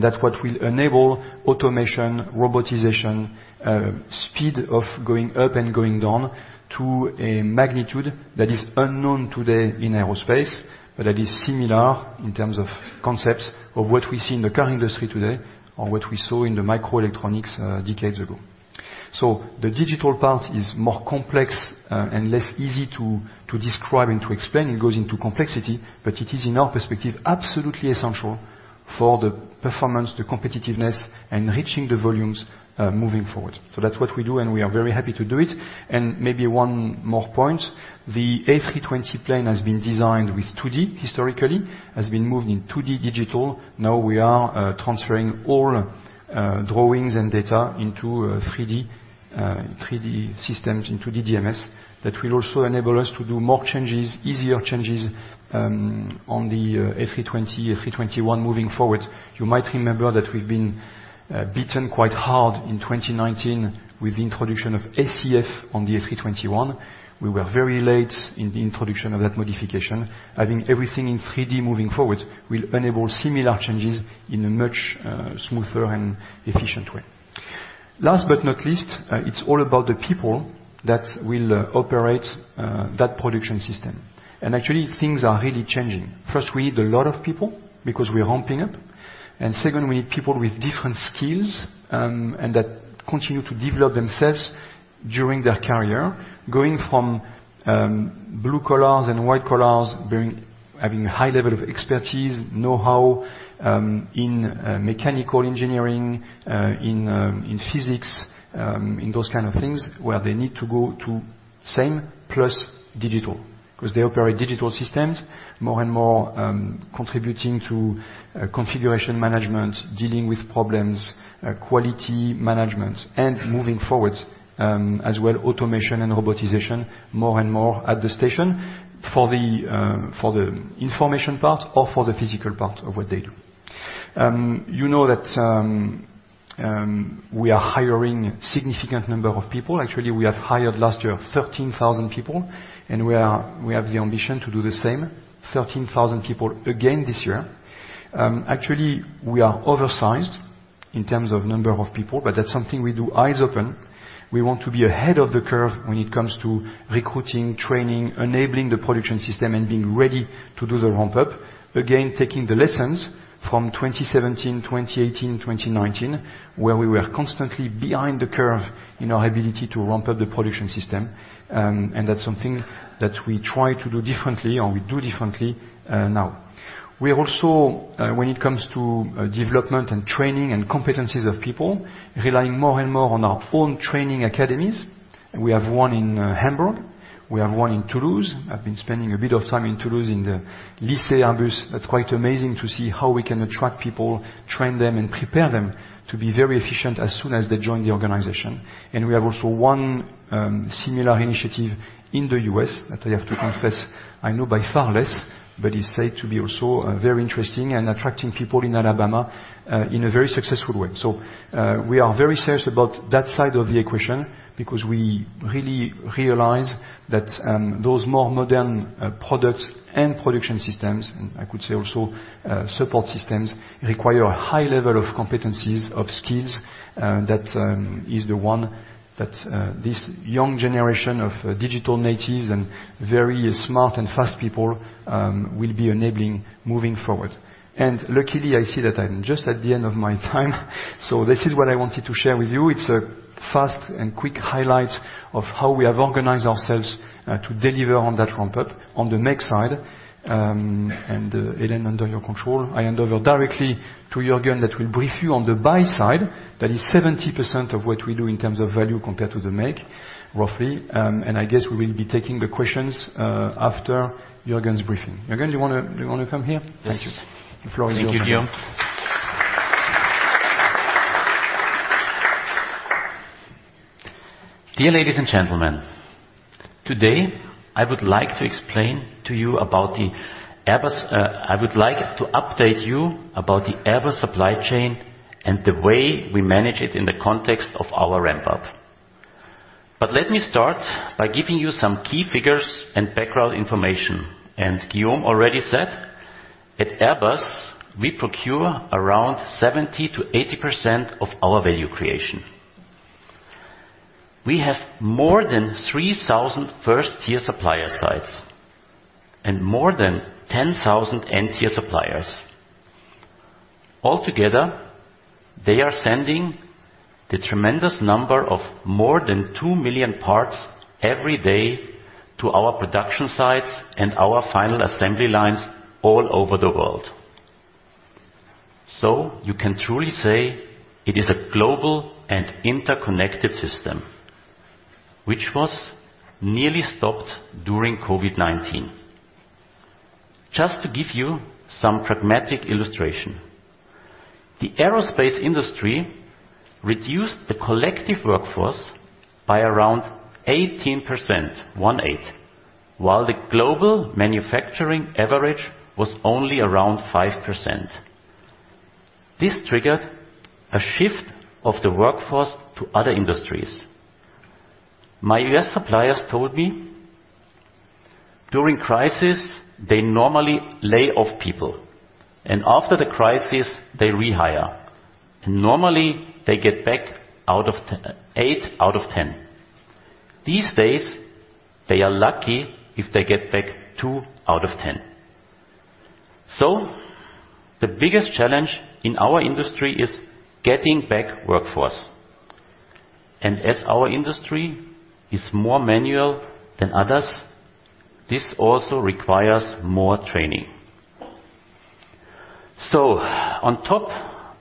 That's what will enable automation, robotization, speed of going up and going down to a magnitude that is unknown today in aerospace, but that is similar in terms of concepts of what we see in the car industry today, or what we saw in the microelectronics decades ago. The digital part is more complex and less easy to describe and to explain. It goes into complexity, but it is, in our perspective, absolutely essential for the performance, the competitiveness, and reaching the volumes moving forward. That's what we do, and we are very happy to do it. Maybe one more point, the A320 plane has been designed with 2D, historically, has been moved in 2D digital. Now we are transferring all drawings and data into 3D systems, into DDMS. That will also enable us to do more changes, easier changes on the A320, A321 moving forward. You might remember that we've been beaten quite hard in 2019 with the introduction of ACF on the A321. We were very late in the introduction of that modification. Having everything in 3D moving forward will enable similar changes in a much smoother and efficient way. Last but not least, it's all about the people that will operate that production system. Actually, things are really changing. First, we need a lot of people because we are ramping up. Second, we need people with different skills, and that continue to develop themselves during their career, going from blue collars and white collars, having a high level of expertise, know-how, in mechanical engineering, in physics, in those kind of things, where they need to go to same plus digital, because they operate digital systems, more and more, contributing to configuration management, dealing with problems, quality management, and moving forward, as well, automation and robotization, more and more at the station for the information part or for the physical part of what they do. You know that we are hiring significant number of people. Actually, we have hired last year, 13,000 people, and we have the ambition to do the same, 13,000 people again this year. Actually, we are oversized in terms of number of people. That's something we do eyes open. We want to be ahead of the curve when it comes to recruiting, training, enabling the production system, and being ready to do the ramp-up. Again, taking the lessons from 2017, 2018, 2019, where we were constantly behind the curve in our ability to ramp up the production system. That's something that we try to do differently or we do differently now. We are also, when it comes to development and training, and competencies of people, relying more and more on our own training academies. We have one in Hamburg, we have one in Toulouse. I've been spending a bit of time in Toulouse, in the Lycée Airbus. That's quite amazing to see how we can attract people, train them, and prepare them to be very efficient as soon as they join the organization. We have also one similar initiative in the U.S., that I have to confess, I know by far less, but is said to be also very interesting and attracting people in Alabama in a very successful way. We are very serious about that side of the equation because we really realize that those more modern products and production systems, and I could say also support systems, require a high level of competencies, of skills, that is the one that this young generation of digital natives and very smart and fast people will be enabling moving forward. Luckily, I see that I'm just at the end of my time, so this is what I wanted to share with you. It's a fast and quick highlight of how we have organized ourselves to deliver on that ramp-up on the make side. Hélène, under your control, I hand over directly to Jürgen, that will brief you on the buy side. That is 70% of what we do in terms of value compared to the make, roughly. I guess we will be taking the questions after Jürgen's briefing. Jürgen, do you want to come here? Yes. Thank you. The floor is yours. Thank you, Guillaume. Dear ladies and gentlemen, today, I would like to explain to you about the Airbus. I would like to update you about the Airbus supply chain and the way we manage it in the context of our ramp-up. Let me start by giving you some key figures and background information. Guillaume already said, at Airbus, we procure around 70%-80% of our value creation. We have more than 3,000 first-tier supplier sites and more than 10,000 end-tier suppliers. Altogether, they are sending the tremendous number of more than 2 million parts every day to our production sites and our final assembly lines all over the world. You can truly say it is a global and interconnected system, which was nearly stopped during COVID-19. Just to give you some pragmatic illustration, the aerospace industry reduced the collective workforce by around 18%, 1/8 While the global manufacturing average was only around 5%. This triggered a shift of the workforce to other industries. My U.S. suppliers told me, during crisis, they normally lay off people, and after the crisis, they rehire. Normally, they get back out of 10, eight out of 10. These days, they are lucky if they get back two out of 10. The biggest challenge in our industry is getting back workforce. As our industry is more manual than others, this also requires more training. On top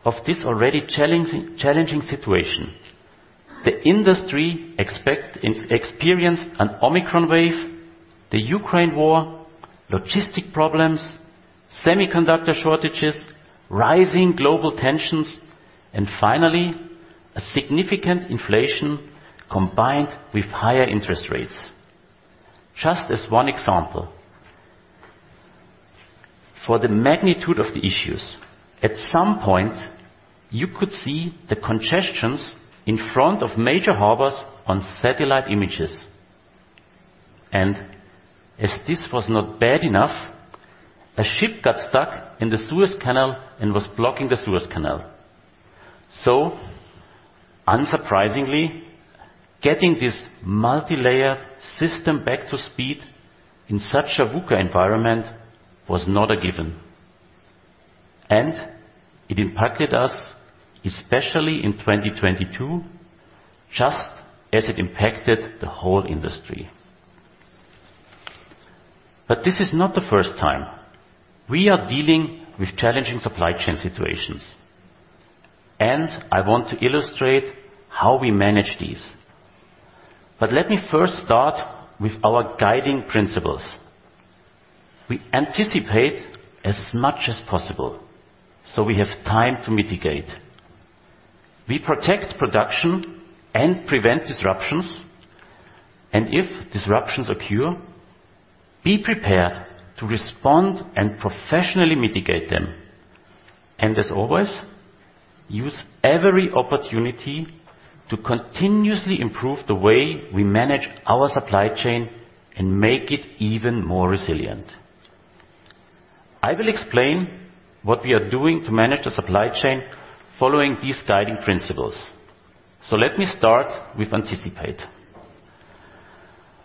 of this already challenging situation, the industry experienced an Omicron wave, the Ukraine War, logistic problems, semiconductor shortages, rising global tensions, and finally, a significant inflation combined with higher interest rates. Just as one example, for the magnitude of the issues, at some point, you could see the congestions in front of major harbors on satellite images. As this was not bad enough, a ship got stuck in the Suez Canal and was blocking the Suez Canal. Unsurprisingly, getting this multilayer system back to speed in such a VUCA environment was not a given, and it impacted us, especially in 2022, just as it impacted the whole industry. This is not the first time. We are dealing with challenging supply chain situations, and I want to illustrate how we manage these. Let me first start with our guiding principles. We anticipate as much as possible, so we have time to mitigate. We protect production and prevent disruptions, and if disruptions occur, be prepared to respond and professionally mitigate them. As always, use every opportunity to continuously improve the way we manage our supply chain and make it even more resilient. I will explain what we are doing to manage the supply chain following these guiding principles. Let me start with anticipate.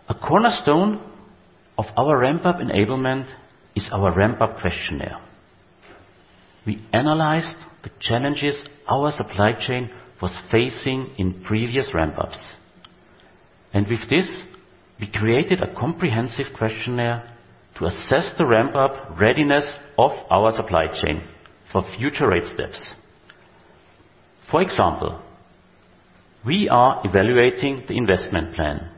A cornerstone of our ramp-up enablement is our ramp-up questionnaire. We analyzed the challenges our supply chain was facing in previous ramp-ups, and with this, we created a comprehensive questionnaire to assess the ramp-up readiness of our supply chain for future rate steps. For example, we are evaluating the investment plan,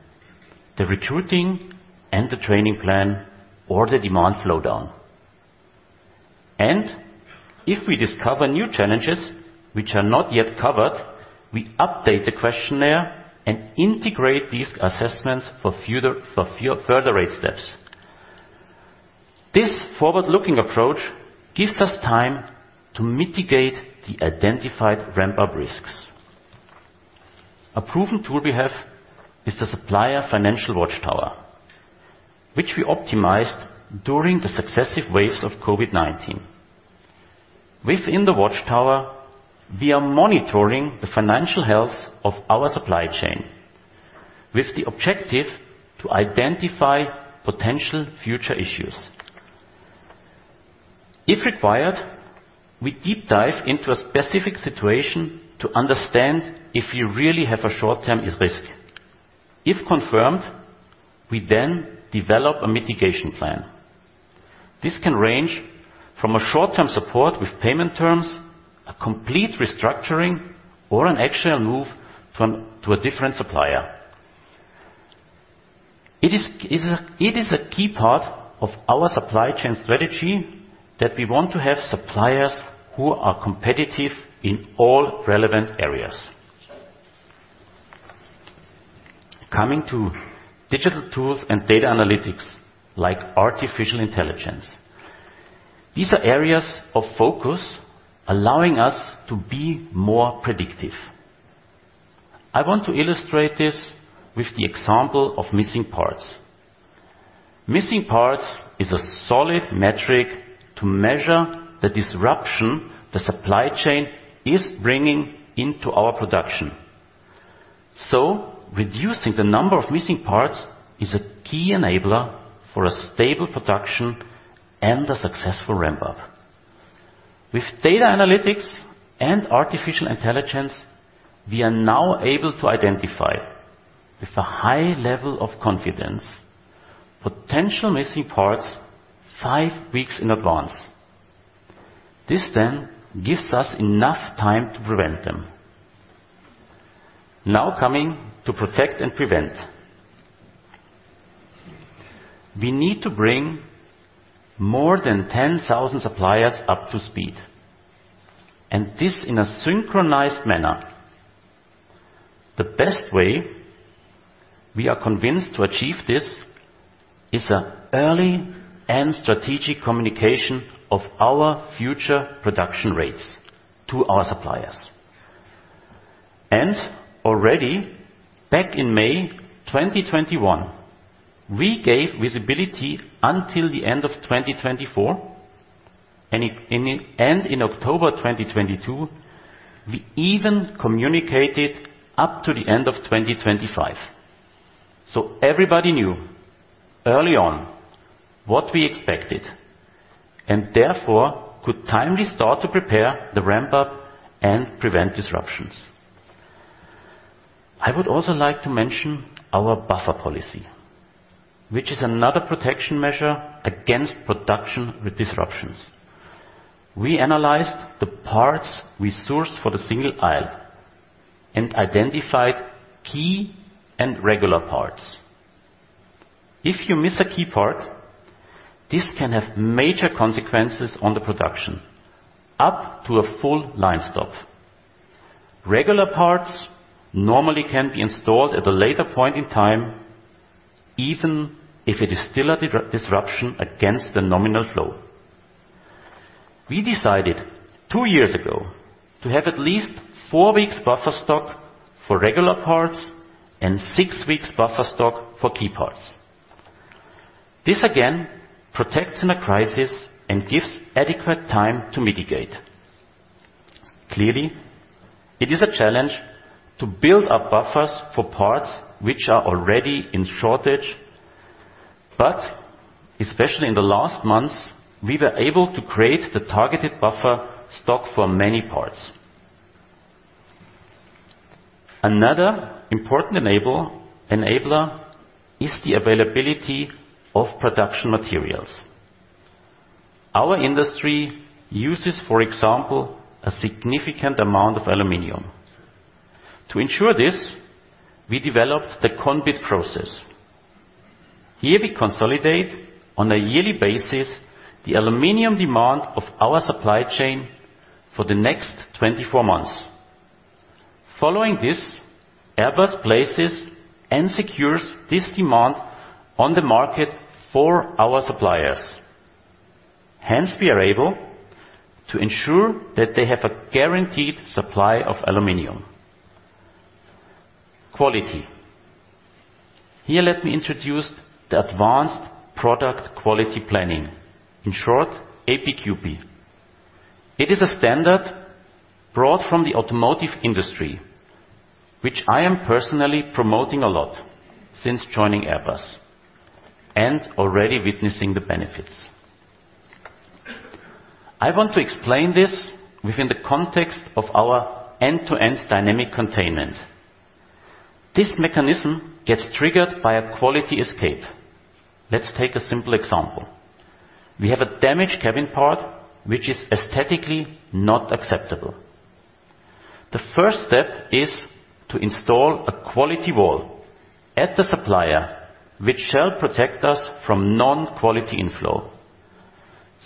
the recruiting and the training plan, or the demand slowdown. If we discover new challenges which are not yet covered, we update the questionnaire and integrate these assessments for further rate steps. This forward-looking approach gives us time to mitigate the identified ramp-up risks. A proven tool we have is the Supplier Financial Watchtower, which we optimized during the successive waves of COVID-19. Within the watchtower, we are monitoring the financial health of our supply chain with the objective to identify potential future issues. If required, we deep dive into a specific situation to understand if you really have a short-term risk. If confirmed, we develop a mitigation plan. This can range from a short-term support with payment terms, a complete restructuring, or an actual move to a different supplier. It is a key part of our supply chain strategy that we want to have suppliers who are competitive in all relevant areas. Coming to digital tools and data analytics like artificial intelligence, these are areas of focus, allowing us to be more predictive. I want to illustrate this with the example of missing parts. Missing parts is a solid metric to measure the disruption the supply chain is bringing into our production. Reducing the number of missing parts is a key enabler for a stable production and a successful ramp-up. With data analytics and artificial intelligence, we are now able to identify, with a high level of confidence, potential missing parts five weeks in advance. This then gives us enough time to prevent them. Coming to protect and prevent. We need to bring more than 10,000 suppliers up to speed, and this in a synchronized manner. The best way we are convinced to achieve this, is a early and strategic communication of our future production rates to our suppliers. Already back in May 2021, we gave visibility until the end of 2024, and in October 2022, we even communicated up to the end of 2025. Everybody knew early on what we expected, and therefore, could timely start to prepare the ramp-up and prevent disruptions. I would also like to mention our buffer policy, which is another protection measure against production with disruptions. We analyzed the parts we source for the single aisle, and identified key and regular parts. If you miss a key part, this can have major consequences on the production, up to a full line stop. Regular parts normally can be installed at a later point in time, even if it is still a disruption against the nominal flow. We decided two years ago, to have at least four weeks buffer stock for regular parts and six weeks buffer stock for key parts. This again, protects in a crisis and gives adequate time to mitigate. Clearly, it is a challenge to build up buffers for parts which are already in shortage, but especially in the last months, we were able to create the targeted buffer stock for many parts. Another important enabler is the availability of production materials. Our industry uses, for example, a significant amount of aluminum. To ensure this, we developed the ConBid process. Here we consolidate on a yearly basis, the aluminum demand of our supply chain for the next 24 months. Following this, Airbus places and secures this demand on the market for our suppliers. We are able to ensure that they have a guaranteed supply of aluminum. Quality. Here, let me introduce the Advanced Product Quality Planning, in short, APQP. It is a standard brought from the automotive industry, which I am personally promoting a lot since joining Airbus, and already witnessing the benefits. I want to explain this within the context of our end-to-end dynamic containment. This mechanism gets triggered by a quality escape. Let's take a simple example. We have a damaged cabin part, which is aesthetically not acceptable. The first step is to install a quality wall at the supplier, which shall protect us from non-quality inflow.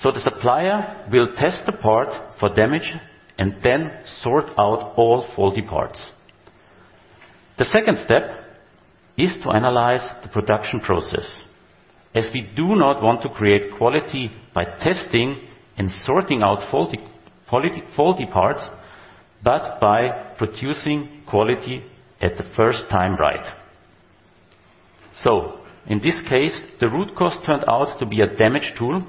The supplier will test the part for damage, and then sort out all faulty parts. The second step is to analyze the production process, as we do not want to create quality by testing and sorting out faulty parts, but by producing quality at the first time, right? In this case, the root cause turned out to be a damaged tool,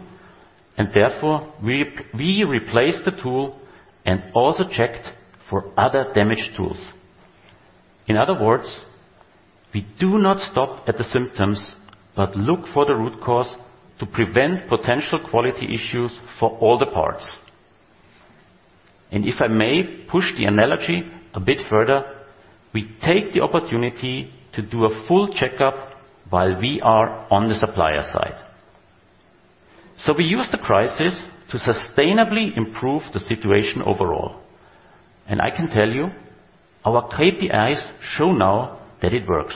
and therefore, we replaced the tool and also checked for other damaged tools. In other words, we do not stop at the symptoms, but look for the root cause to prevent potential quality issues for all the parts. If I may push the analogy a bit further, we take the opportunity to do a full checkup while we are on the supplier side. We use the crisis to sustainably improve the situation overall, and I can tell you, our KPIs show now that it works,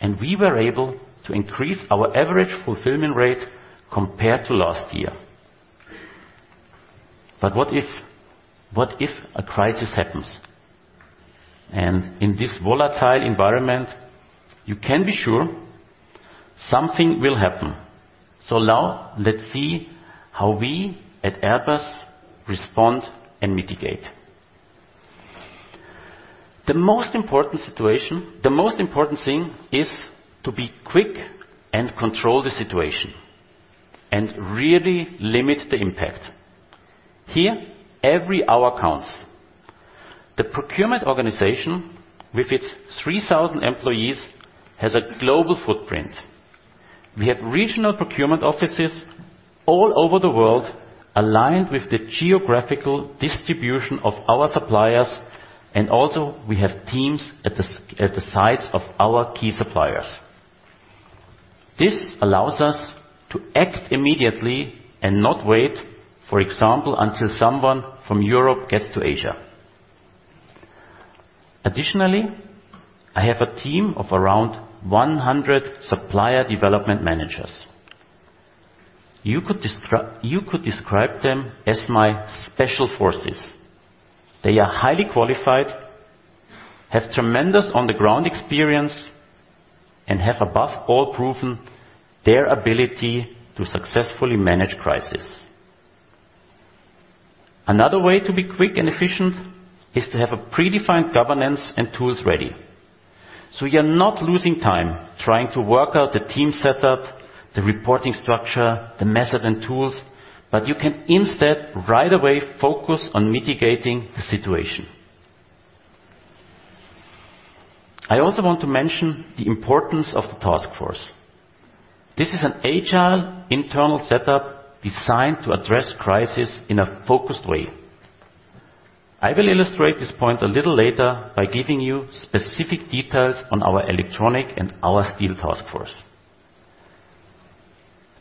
and we were able to increase our average fulfillment rate compared to last year. What if a crisis happens? In this volatile environment, you can be sure something will happen. Now let's see how we at Airbus respond and mitigate. The most important thing is to be quick and control the situation, and really limit the impact. Here, every hour counts. The procurement organization, with its 3,000 employees, has a global footprint. We have regional procurement offices all over the world, aligned with the geographical distribution of our suppliers, and also, we have teams at the sites of our key suppliers. This allows us to act immediately and not wait, for example, until someone from Europe gets to Asia. Additionally, I have a team of around 100 supplier development managers. You could describe them as my special forces. They are highly qualified, have tremendous on-the-ground experience, and have above all, proven their ability to successfully manage crisis. Another way to be quick and efficient is to have a predefined governance and tools ready. You're not losing time trying to work out the team setup, the reporting structure, the method and tools, but you can instead, right away, focus on mitigating the situation. I also want to mention the importance of the task force. This is an agile, internal setup designed to address crisis in a focused way. I will illustrate this point a little later by giving you specific details on our electronic and our steel task force.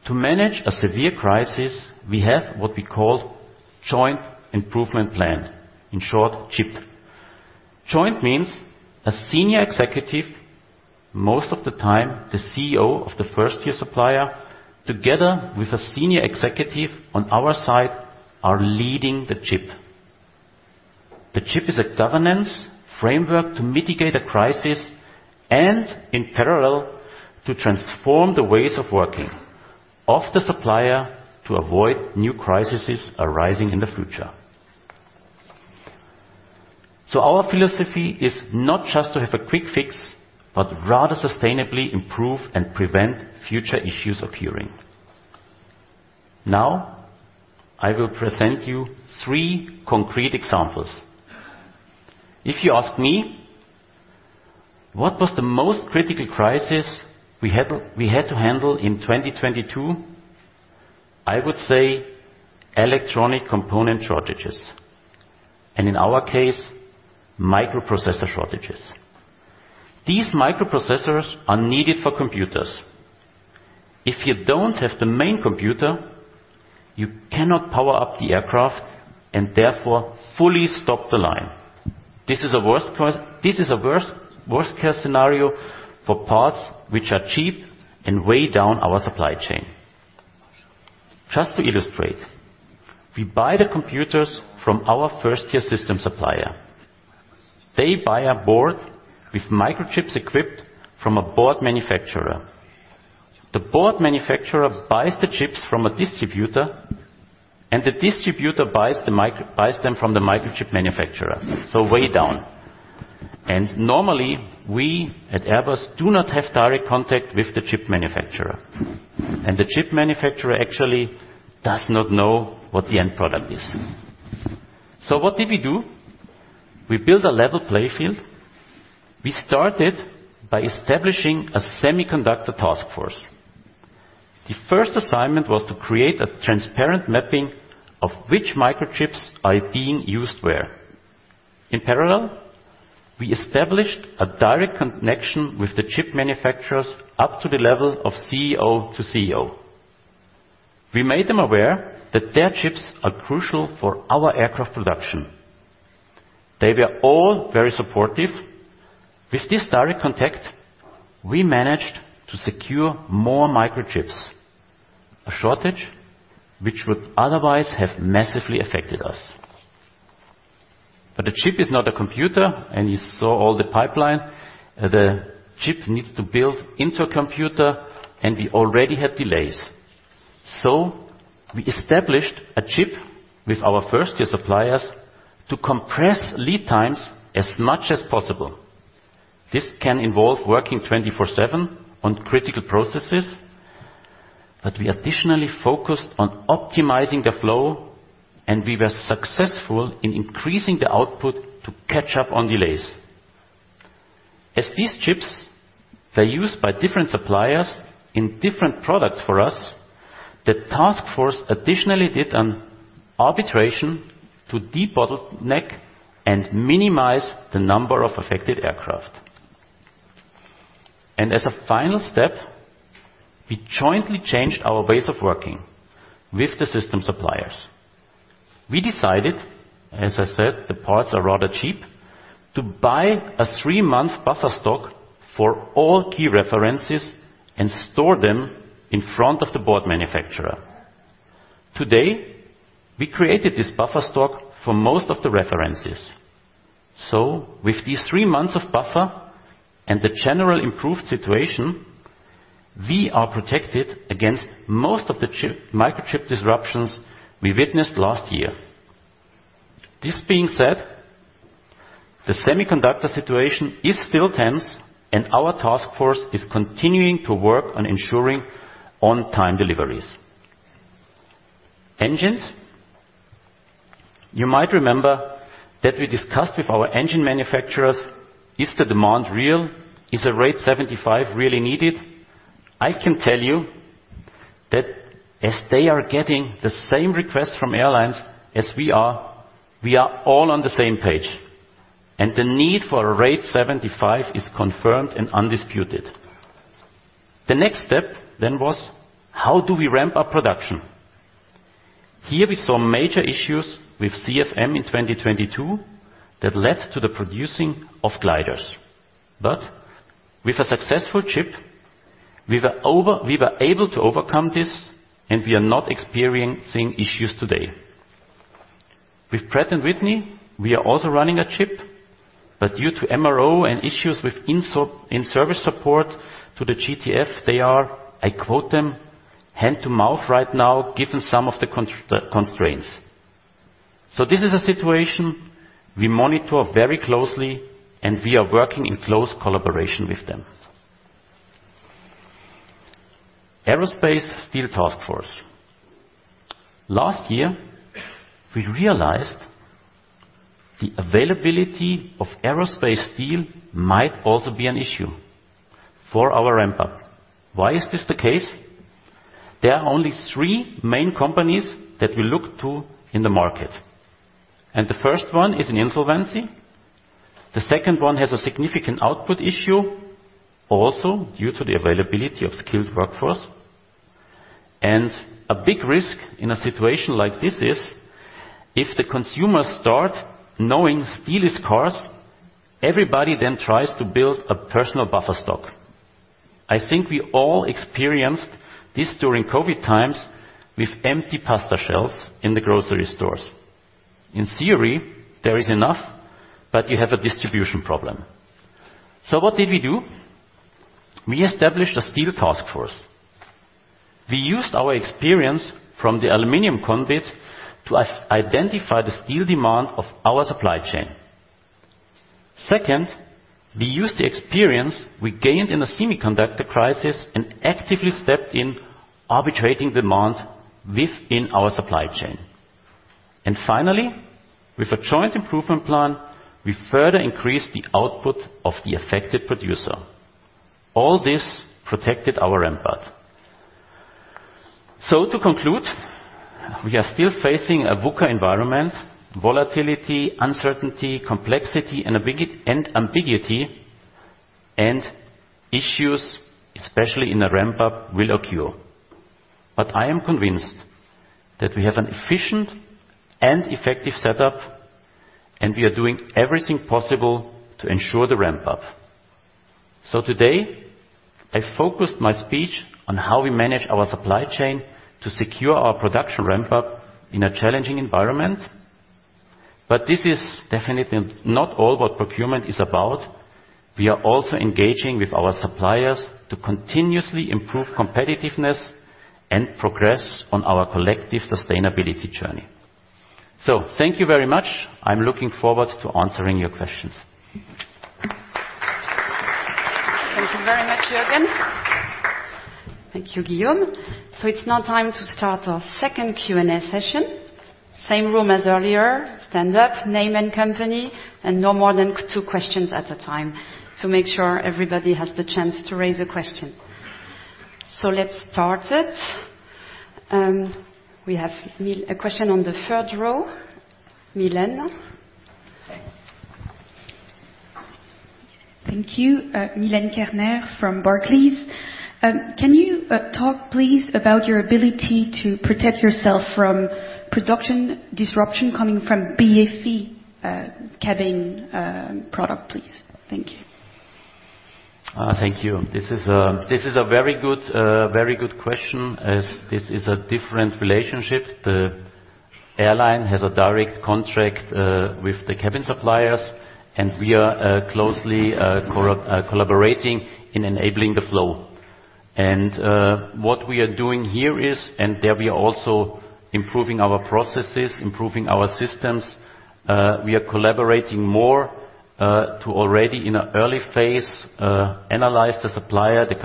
To manage a severe crisis, we have what we call Joint Improvement Plan, in short, JIP. Joint means a senior executive, most of the time, the CEO of the first-tier supplier, together with a senior executive on our side, are leading the JIP. The JIP is a governance framework to mitigate a crisis and, in parallel, to transform the ways of working of the supplier to avoid new crises arising in the future. Our philosophy is not just to have a quick fix, but rather sustainably improve and prevent future issues occurring. I will present you three concrete examples. If you ask me, what was the most critical crisis we had to handle in 2022? I would say electronic component shortages, in our case, microprocessor shortages. These microprocessors are needed for computers. If you don't have the main computer, you cannot power up the aircraft and therefore fully stop the line. This is a worst case scenario for parts which are cheap and way down our supply chain. Just to illustrate, we buy the computers from our first-tier system supplier. They buy a board with microchips equipped from a board manufacturer. The board manufacturer buys the chips from a distributor, and the distributor buys them from the microchip manufacturer. Way down. Normally, we at Airbus, do not have direct contact with the chip manufacturer, and the chip manufacturer actually does not know what the end product is. What did we do? We built a level playing field. We started by establishing a semiconductor task force. The first assignment was to create a transparent mapping of which microchips are being used where. In parallel, we established a direct connection with the chip manufacturers up to the level of CEO to CEO. We made them aware that their chips are crucial for our aircraft production. They were all very supportive. With this direct contact, we managed to secure more microchips, a shortage which would otherwise have massively affected us. A chip is not a computer, and you saw all the pipeline. The chip needs to build into a computer, and we already had delays. We established a JIP with our first-tier suppliers to compress lead times as much as possible. This can involve working 24/7 on critical processes, but we additionally focused on optimizing the flow, and we were successful in increasing the output to catch up on delays. As these JIPs, they're used by different suppliers in different products for us, the task force additionally did an arbitration to debottleneck and minimize the number of affected aircraft. As a final step, we jointly changed our ways of working with the system suppliers. We decided, as I said, the parts are rather cheap, to buy a three-month buffer stock for all key references and store them in front of the board manufacturer. Today, we created this buffer stock for most of the references. With these three months of buffer and the general improved situation, we are protected against most of the chip, microchip disruptions we witnessed last year. This being said, the semiconductor situation is still tense, and our task force is continuing to work on ensuring on-time deliveries. Engines. You might remember that we discussed with our engine manufacturers, is the demand real? Is a rate 75 really needed? I can tell you that as they are getting the same request from airlines as we are, we are all on the same page, and the need for a rate 75 is confirmed and undisputed. The next step then was: How do we ramp up production? Here we saw major issues with CFM in 2022, that led to the producing of gliders. With a successful chip, we were able to overcome this, and we are not experiencing issues today. With Pratt & Whitney, we are also running a chip, but due to MRO and issues with in-service support to the GTF, they are, I quote them, "Hand to mouth right now, given some of the constraints." This is a situation we monitor very closely, and we are working in close collaboration with them. Aerospace Steel Task Force. Last year, we realized the availability of aerospace steel might also be an issue for our ramp up. Why is this the case? There are only three main companies that we look to in the market, and the first one is in insolvency, the second one has a significant output issue, also due to the availability of skilled workforce. A big risk in a situation like this is, if the consumers start knowing steel is scarce, everybody then tries to build a personal buffer stock. I think we all experienced this during COVID times with empty pasta shelves in the grocery stores. In theory, there is enough, you have a distribution problem. What did we do? We established a steel task force. We used our experience from the aluminum COVID to identify the steel demand of our supply chain. Second, we used the experience we gained in the semiconductor crisis and actively stepped in arbitrating demand within our supply chain. Finally, with a joint improvement plan, we further increased the output of the affected producer. All this protected our ramp up. To conclude, we are still facing a VUCA environment, volatility, uncertainty, complexity, and ambiguity, and issues, especially in a ramp up, will occur. I am convinced that we have an efficient and effective setup, and we are doing everything possible to ensure the ramp up. Today, I focused my speech on how we manage our supply chain to secure our production ramp up in a challenging environment. This is definitely not all what procurement is about. We are also engaging with our suppliers to continuously improve competitiveness and progress on our collective sustainability journey. Thank you very much. I'm looking forward to answering your questions. Thank you very much, Jürgen. Thank you, Guillaume. It's now time to start our second Q&A session. Same rule as earlier, stand up, name and company, and no more than two questions at a time, to make sure everybody has the chance to raise a question. Let's start it. We have a question on the third row. Milène? Thank you. Milène Kerner from Barclays. Can you talk, please, about your ability to protect yourself from production disruption coming from BFE, cabin, product, please? Thank you. Thank you. This is a very good, very good question, as this is a different relationship. The airline has a direct contract with the cabin suppliers, and we are closely collaborating in enabling the flow. What we are doing here is, and there we are also improving our processes, improving our systems. We are collaborating more to already in an early phase analyze the supplier, the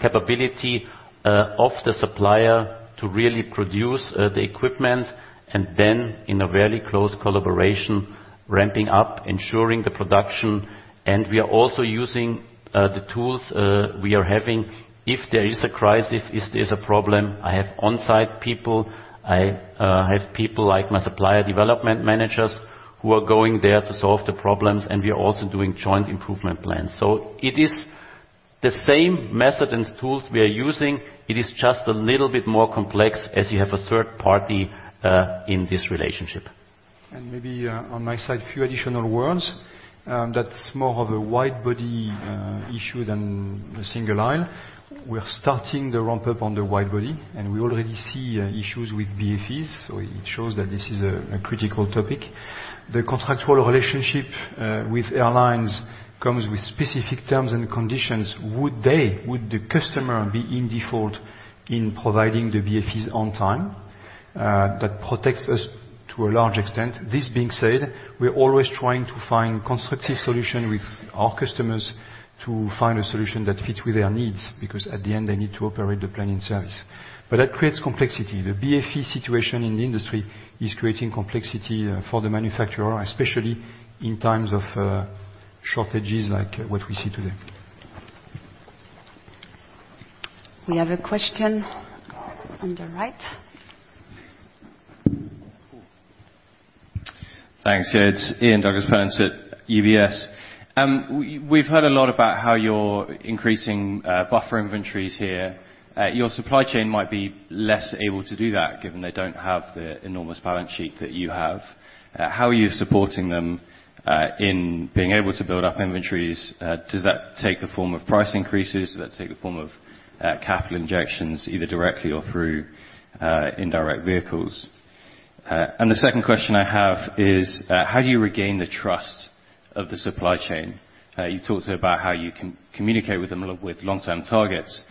capability of the supplier, to really produce the equipment, and then in a very close collaboration, ramping up, ensuring the production. We are also using the tools we are having. If there is a crisis, if there's a problem, I have on-site people. I have people like my supplier development managers, who are going there to solve the problems, and we are also doing joint improvement plans. It is the same method and tools we are using. It is just a little bit more complex, as you have a third party in this relationship. Maybe, on my side, a few additional words. That's more of a wide body issue than a single aisle. We are starting the ramp up on the wide body, and we already see issues with BFEs, so it shows that this is a critical topic. The contractual relationship with airlines comes with specific terms and conditions. Would they, would the customer, be in default in providing the BFEs on time? That protects us to a large extent. This being said, we're always trying to find constructive solution with our customers, to find a solution that fits with their needs, because at the end, they need to operate the plane in service. That creates complexity. The BFE situation in the industry is creating complexity for the manufacturer, especially in times of shortages, like what we see today. We have a question on the right. Thanks, it's Ian Douglas-Pennant at UBS. We've heard a lot about how you're increasing buffer inventories here. Your supply chain might be less able to do that, given they don't have the enormous balance sheet that you have. How are you supporting them in being able to build up inventories? Does that take the form of price increases? Does that take the form of capital injections, either directly or through indirect vehicles? The second question I have is how do you regain the trust of the supply chain? You talked about how you can communicate with them with long-term targets.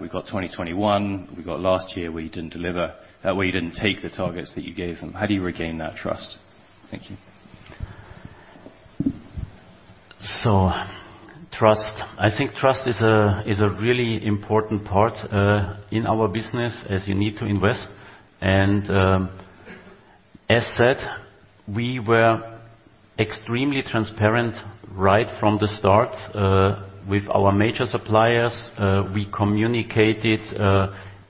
We've got 2021, we've got last year, where you didn't deliver where you didn't take the targets that you gave them. How do you regain that trust? Thank you. Trust. I think trust is a really important part in our business, as you need to invest. As said, we were extremely transparent right from the start with our major suppliers. We communicated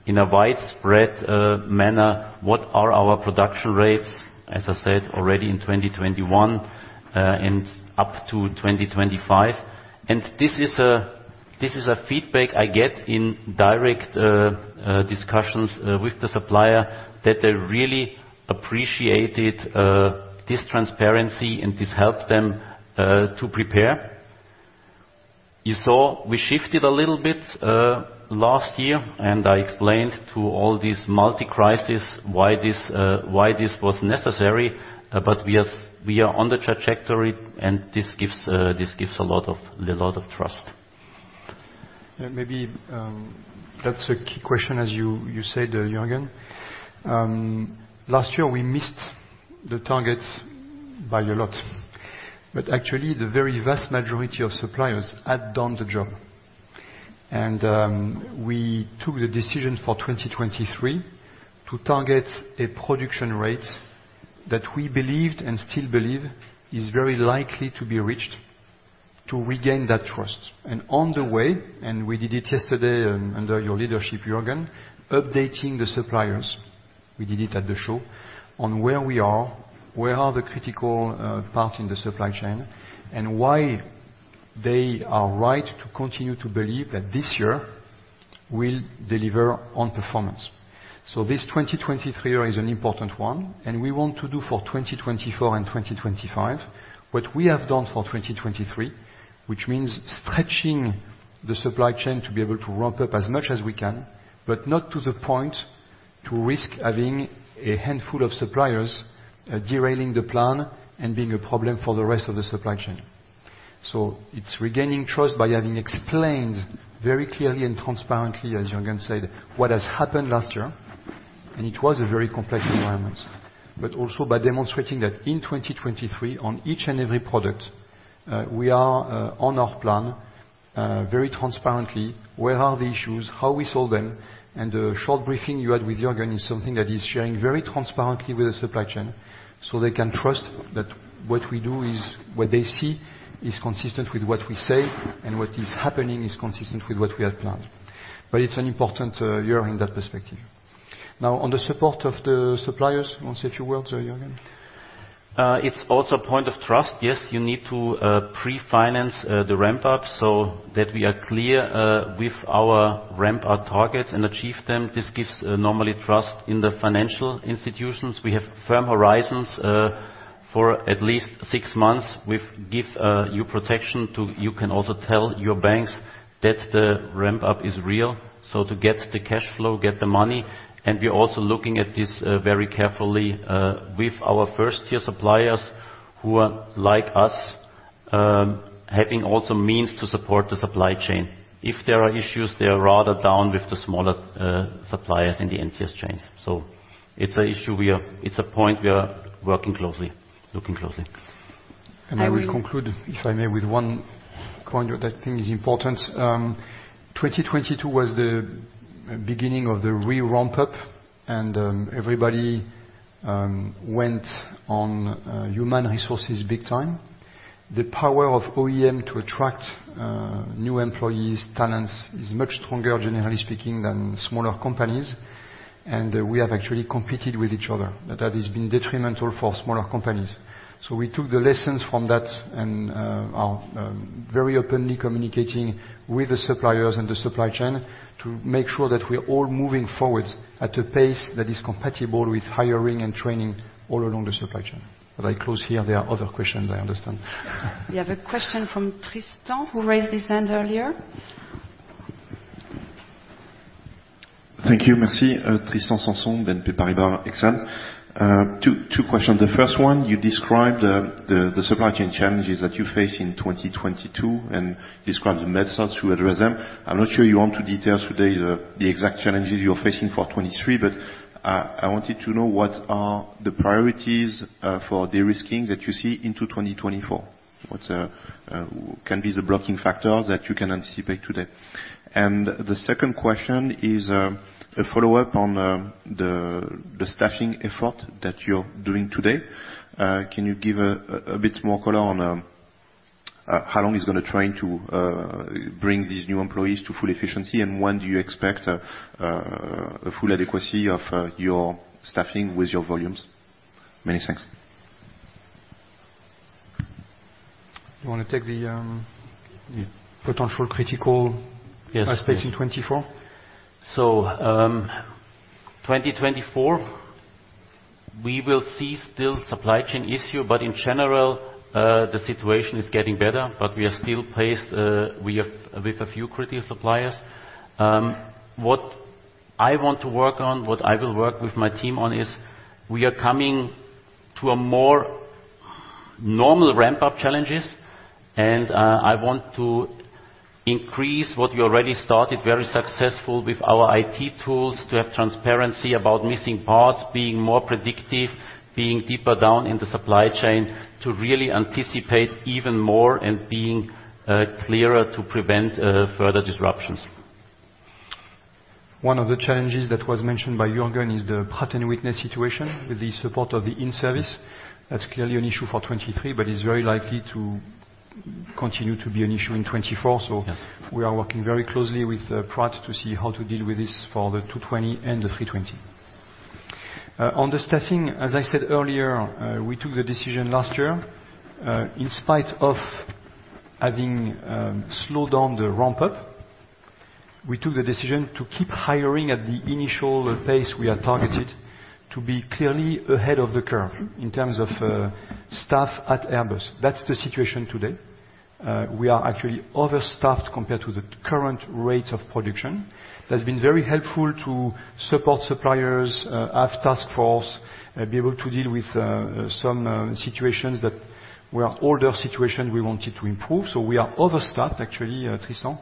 in a widespread manner, what are our production rates, as I said, already in 2021 and up to 2025. This is a feedback I get in direct discussions with the supplier, that they really appreciated this transparency, and this helped them to prepare. You saw we shifted a little bit last year, and I explained to all these multi-crisis why this why this was necessary. We are on the trajectory, and this gives a lot of trust. Yeah, maybe, that's a key question, as you said, Jürgen. Last year, we missed the targets by a lot. Actually, the very vast majority of suppliers had done the job. We took the decision for 2023 to target a production rate that we believed, and still believe, is very likely to be reached to regain that trust. On the way, and we did it yesterday, under your leadership, Jürgen, updating the suppliers. We did it at the show on where we are, where are the critical part in the supply chain, and why they are right to continue to believe that this year will deliver on performance. This 2023 is an important one, and we want to do for 2024 and 2025, what we have done for 2023, which means stretching the supply chain to be able to ramp up as much as we can, but not to the point to risk having a handful of suppliers derailing the plan and being a problem for the rest of the supply chain. It's regaining trust by having explained very clearly and transparently, as Jürgen said, what has happened last year, and it was a very complex environment. Also by demonstrating that in 2023, on each and every product, we are on our plan, very transparently, where are the issues, how we solve them, and the short briefing you had with Jürgen is something that he's sharing very transparently with the supply chain, so they can trust that what we do is what they see, is consistent with what we say, and what is happening is consistent with what we had planned. It's an important year in that perspective. Now, on the support of the suppliers, you want to say a few words, Jürgen? It's also a point of trust. Yes, you need to pre-finance the ramp up so that we are clear with our ramp-up targets and achieve them. This gives normally trust in the financial institutions. We have firm horizons for at least six months. We've give you protection to. You can also tell your banks that the ramp-up is real, so to get the cash flow, get the money. We are also looking at this very carefully with our first-tier suppliers who are, like us, having also means to support the supply chain. If there are issues, they are rather down with the smaller suppliers in the NTS chains. It's an issue we are. It's a point we are working closely, looking closely. I will conclude, if I may, with one point that I think is important. 2022 was the beginning of the re-ramp-up, everybody went on human resources big time. The power of OEM to attract new employees, talents, is much stronger, generally speaking, than smaller companies, and we have actually competed with each other. That has been detrimental for smaller companies. We took the lessons from that and are very openly communicating with the suppliers and the supply chain to make sure that we're all moving forward at a pace that is compatible with hiring and training all along the supply chain. I close here. There are other questions, I understand. We have a question from Tristan, who raised his hand earlier. Thank you. Merci. Tristan Sanson, BNP Paribas Exane. Two questions. The first one, you described the supply chain challenges that you faced in 2022 and described the methods to address them. I'm not sure you want to detail today the exact challenges you're facing for 23, I wanted to know, what are the priorities for de-risking that you see into 2024? What can be the blocking factors that you can anticipate today? The second question is a follow-up on the staffing effort that you're doing today. Can you give a bit more color on how long is going to train to bring these new employees to full efficiency? When do you expect a full adequacy of your staffing with your volumes? Many thanks. You want to take the potential. Yes. Aspect in 2024? 2024, we will see still supply chain issue, but in general, the situation is getting better, but we are still paced, we have with a few critical suppliers. What I want to work on, what I will work with my team on, is we are coming to a more normal ramp-up challenges, and I want to increase what we already started, very successful with our IT tools, to have transparency about missing parts, being more predictive, being deeper down in the supply chain to really anticipate even more and being clearer to prevent further disruptions. One of the challenges that was mentioned by Jürgen is the Pratt & Whitney situation, with the support of the in-service. That's clearly an issue for 2023, but it's very likely to continue to be an issue in 2024. Yes. We are working very closely with Pratt to see how to deal with this for the A220 and the A320. On the staffing, as I said earlier, we took the decision last year, in spite of having slowed down the ramp-up, we took the decision to keep hiring at the initial pace we had targeted, to be clearly ahead of the curve in terms of staff at Airbus. That's the situation today. We are actually overstaffed compared to the current rates of production. That's been very helpful to support suppliers, have task force, be able to deal with some situations that were older situation we wanted to improve. We are overstaffed, actually, Tristan,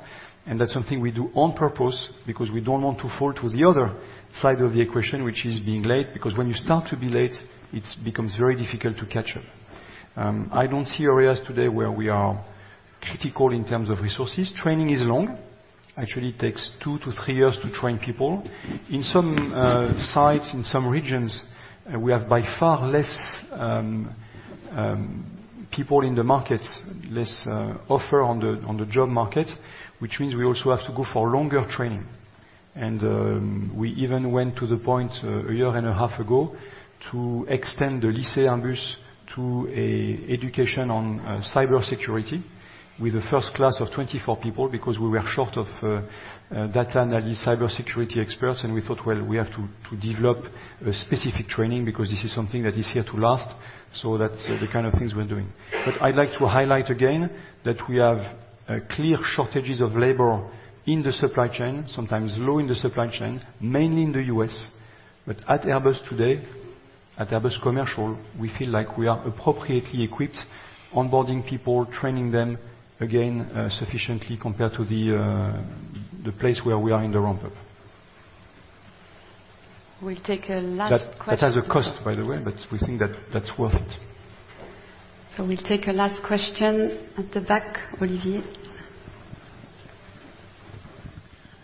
and that's something we do on purpose because we don't want to fall to the other side of the equation, which is being late, because when you start to be late, it becomes very difficult to catch up. I don't see areas today where we are critical in terms of resources. Training is long. Actually, it takes two to three years to train people. In some sites, in some regions, we have by far less people in the market, less offer on the job market, which means we also have to go for longer training. We even went to the point a year and a half ago, to extend the Lycée Airbus to a education on cybersecurity with the first class of 24 people, because we were short of data analyst, cybersecurity experts, and we thought, we have to develop a specific training because this is something that is here to last. That's the kind of things we're doing. I'd like to highlight again that we have clear shortages of labor in the supply chain, sometimes low in the supply chain, mainly in the U.S. At Airbus today, at Airbus Commercial, we feel like we are appropriately equipped, onboarding people, training them, again, sufficiently compared to the place where we are in the ramp-up. We'll take a last question. That has a cost, by the way, but we think that that's worth it. We'll take a last question at the back. Olivier?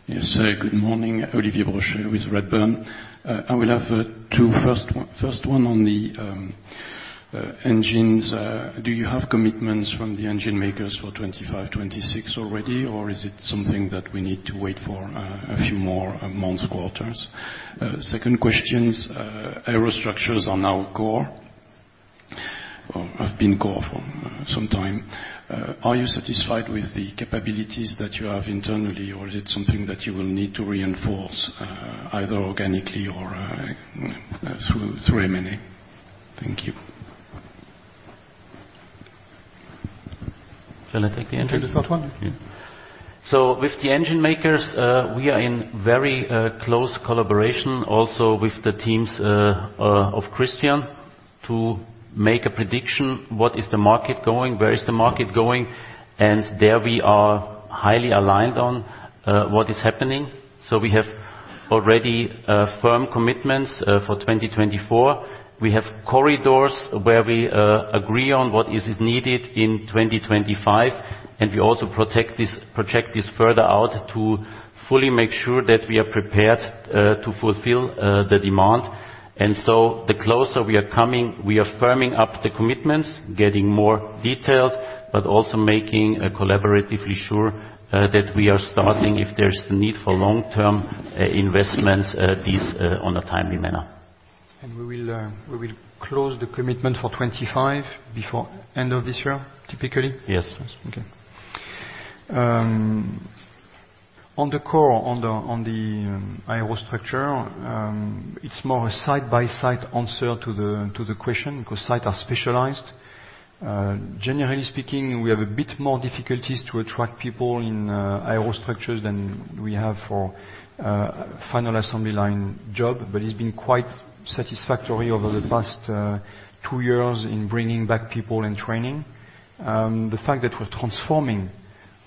Yes. Good morning. Olivier Brochet with Redburn. I will have two. First one on the engines. Do you have commitments from the engine makers for 2025, 2026 already, or is it something that we need to wait for a few more months, quarters? Second questions, aerostructures are now core, or have been core for some time. Are you satisfied with the capabilities that you have internally, or is it something that you will need to reinforce either organically or through M&A? Thank you. Shall I take the engine? Take the first one. With the engine makers, we are in very close collaboration also with the teams of Christian, to make a prediction, where is the market going? There, we are highly aligned on what is happening. We have already firm commitments for 2024. We have corridors where we agree on what is needed in 2025, and we also project this further out to fully make sure that we are prepared to fulfill the demand. The closer we are coming, we are firming up the commitments, getting more details, but also making collaboratively sure that we are starting, if there's the need for long-term investments, these on a timely manner. We will close the commitment for 25 before end of this year, typically? Yes. Okay. On the core, on the aerostructure, it's more a site-by-site answer to the question, because site are specialized. Generally speaking, we have a bit more difficulties to attract people in aerostructures than we have for final assembly line job, it's been quite satisfactory over the past two years in bringing back people and training. The fact that we're transforming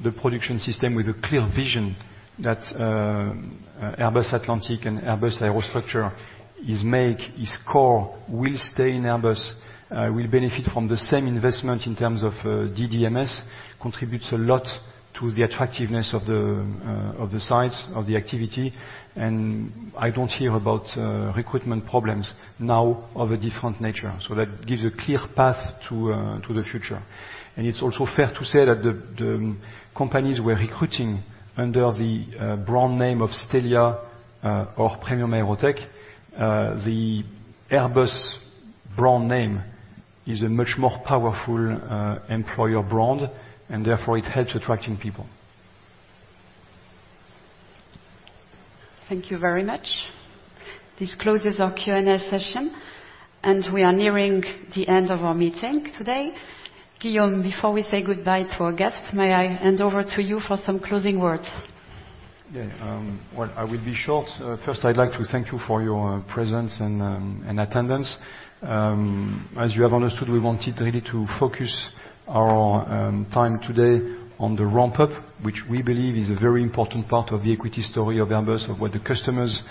the production system with a clear vision that Airbus Atlantic and Airbus Aerostructure is make, is core, will stay in Airbus, will benefit from the same investment in terms of DDMS, contributes a lot to the attractiveness of the sites, of the activity. I don't hear about recruitment problems now of a different nature. That gives a clear path to the future. It's also fair to say that the companies we're recruiting under the brand name of STELIA, or Premium AEROTEC, the Airbus brand name is a much more powerful, employer brand, and therefore it helps attracting people. Thank you very much. This closes our Q&A session. We are nearing the end of our meeting today. Guillaume, before we say goodbye to our guests, may I hand over to you for some closing words? Well, I will be short. First, I'd like to thank you for your presence and attendance. As you have understood, we wanted really to focus our time today on the ramp-up, which we believe is a very important part of the equity story of Airbus, of what the customers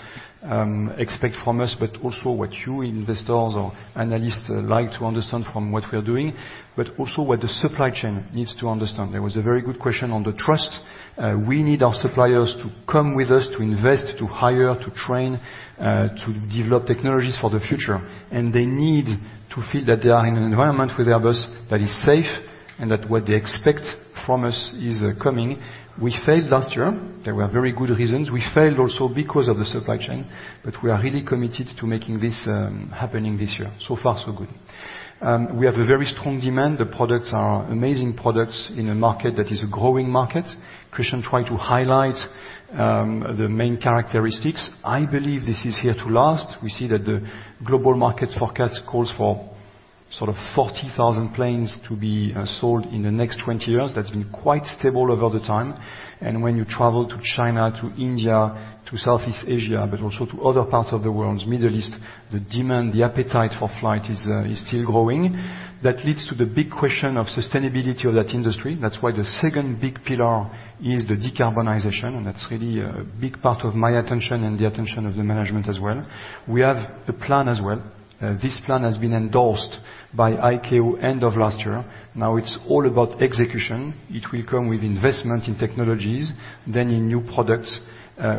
expect from us, but also what you investors or analysts like to understand from what we are doing, but also what the supply chain needs to understand. There was a very good question on the trust. We need our suppliers to come with us, to invest, to hire, to train, to develop technologies for the future. They need to feel that they are in an environment with Airbus that is safe, and that what they expect from us is coming. We failed last year. There were very good reasons. We failed also because of the supply chain, but we are really committed to making this happening this year. Far, so good. We have a very strong demand. The products are amazing products in a market that is a growing market. Christian tried to highlight the main characteristics. I believe this is here to last. We see that the global market forecast calls for sort of 40,000 planes to be sold in the next 20 years. That's been quite stable over the time, and when you travel to China, to India, to Southeast Asia, but also to other parts of the world, Middle East, the demand, the appetite for flight is still growing. That leads to the big question of sustainability of that industry. That's why the second big pillar is the decarbonization, and that's really a big part of my attention and the attention of the management as well. We have the plan as well. This plan has been endorsed by ICAO end of last year. Now it's all about execution. It will come with investment in technologies, then in new products,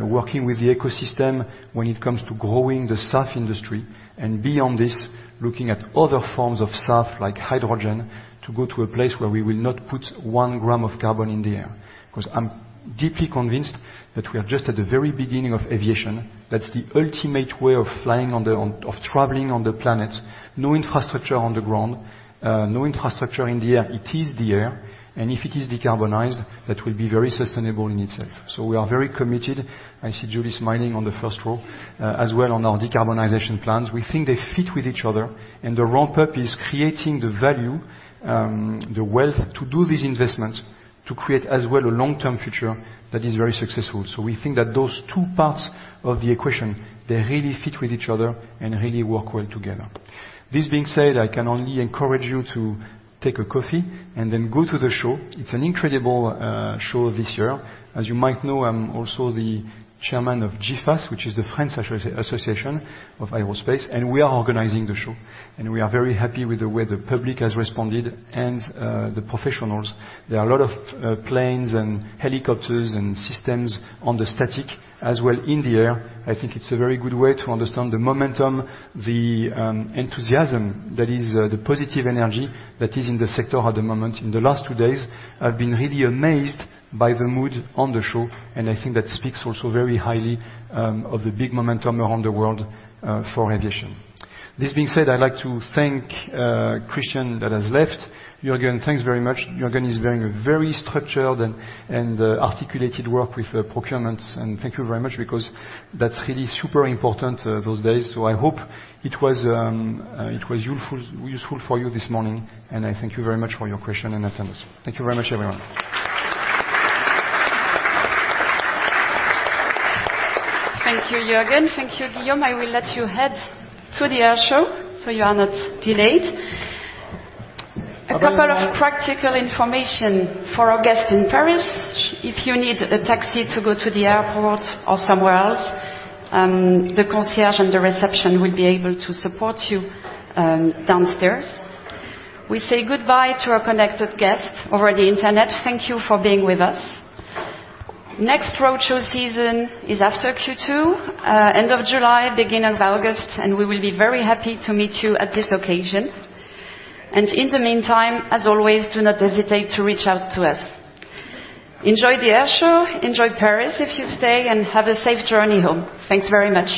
working with the ecosystem when it comes to growing the SAF industry, and beyond this, looking at other forms of SAF, like hydrogen, to go to a place where we will not put 1 gram of carbon in the air. 'Cause I'm deeply convinced that we are just at the very beginning of aviation. That's the ultimate way of flying of traveling on the planet. No infrastructure on the ground, no infrastructure in the air. It is the air, if it is decarbonized, that will be very sustainable in itself. We are very committed, I see Julie smiling on the first row, as well on our decarbonization plans. We think they fit with each other, and the ramp-up is creating the value, the wealth to do these investments, to create as well a long-term future that is very successful. We think that those two parts of the equation, they really fit with each other and really work well together. This being said, I can only encourage you to take a coffee and then go to the show. It's an incredible show this year. As you might know, I'm also the chairman of GIFAS, which is the French Association of Aerospace, and we are organizing the show, and we are very happy with the way the public has responded and the professionals. There are a lot of planes and helicopters and systems on the static as well in the air. I think it's a very good way to understand the momentum, the enthusiasm, that is the positive energy that is in the sector at the moment. In the last two days, I've been really amazed by the mood on the show, and I think that speaks also very highly of the big momentum around the world for aviation. This being said, I'd like to thank Christian, that has left. Jürgen, thanks very much. Jürgen is doing a very structured and articulated work with procurement, thank you very much because that's really super important those days. I hope it was useful for you this morning, I thank you very much for your question and attendance. Thank you very much, everyone. Thank you, Jürgen. Thank you, Guillaume. I will let you head to the air show, so you are not delayed. A couple of practical information for our guests in Paris. If you need a taxi to go to the airport or somewhere else, the concierge and the reception will be able to support you downstairs. We say goodbye to our connected guests over the Internet. Thank you for being with us. Next roadshow season is after Q2, end of July, beginning of August, and we will be very happy to meet you at this occasion. In the meantime, as always, do not hesitate to reach out to us. Enjoy the air show, enjoy Paris, if you stay, and have a safe journey home. Thanks very much.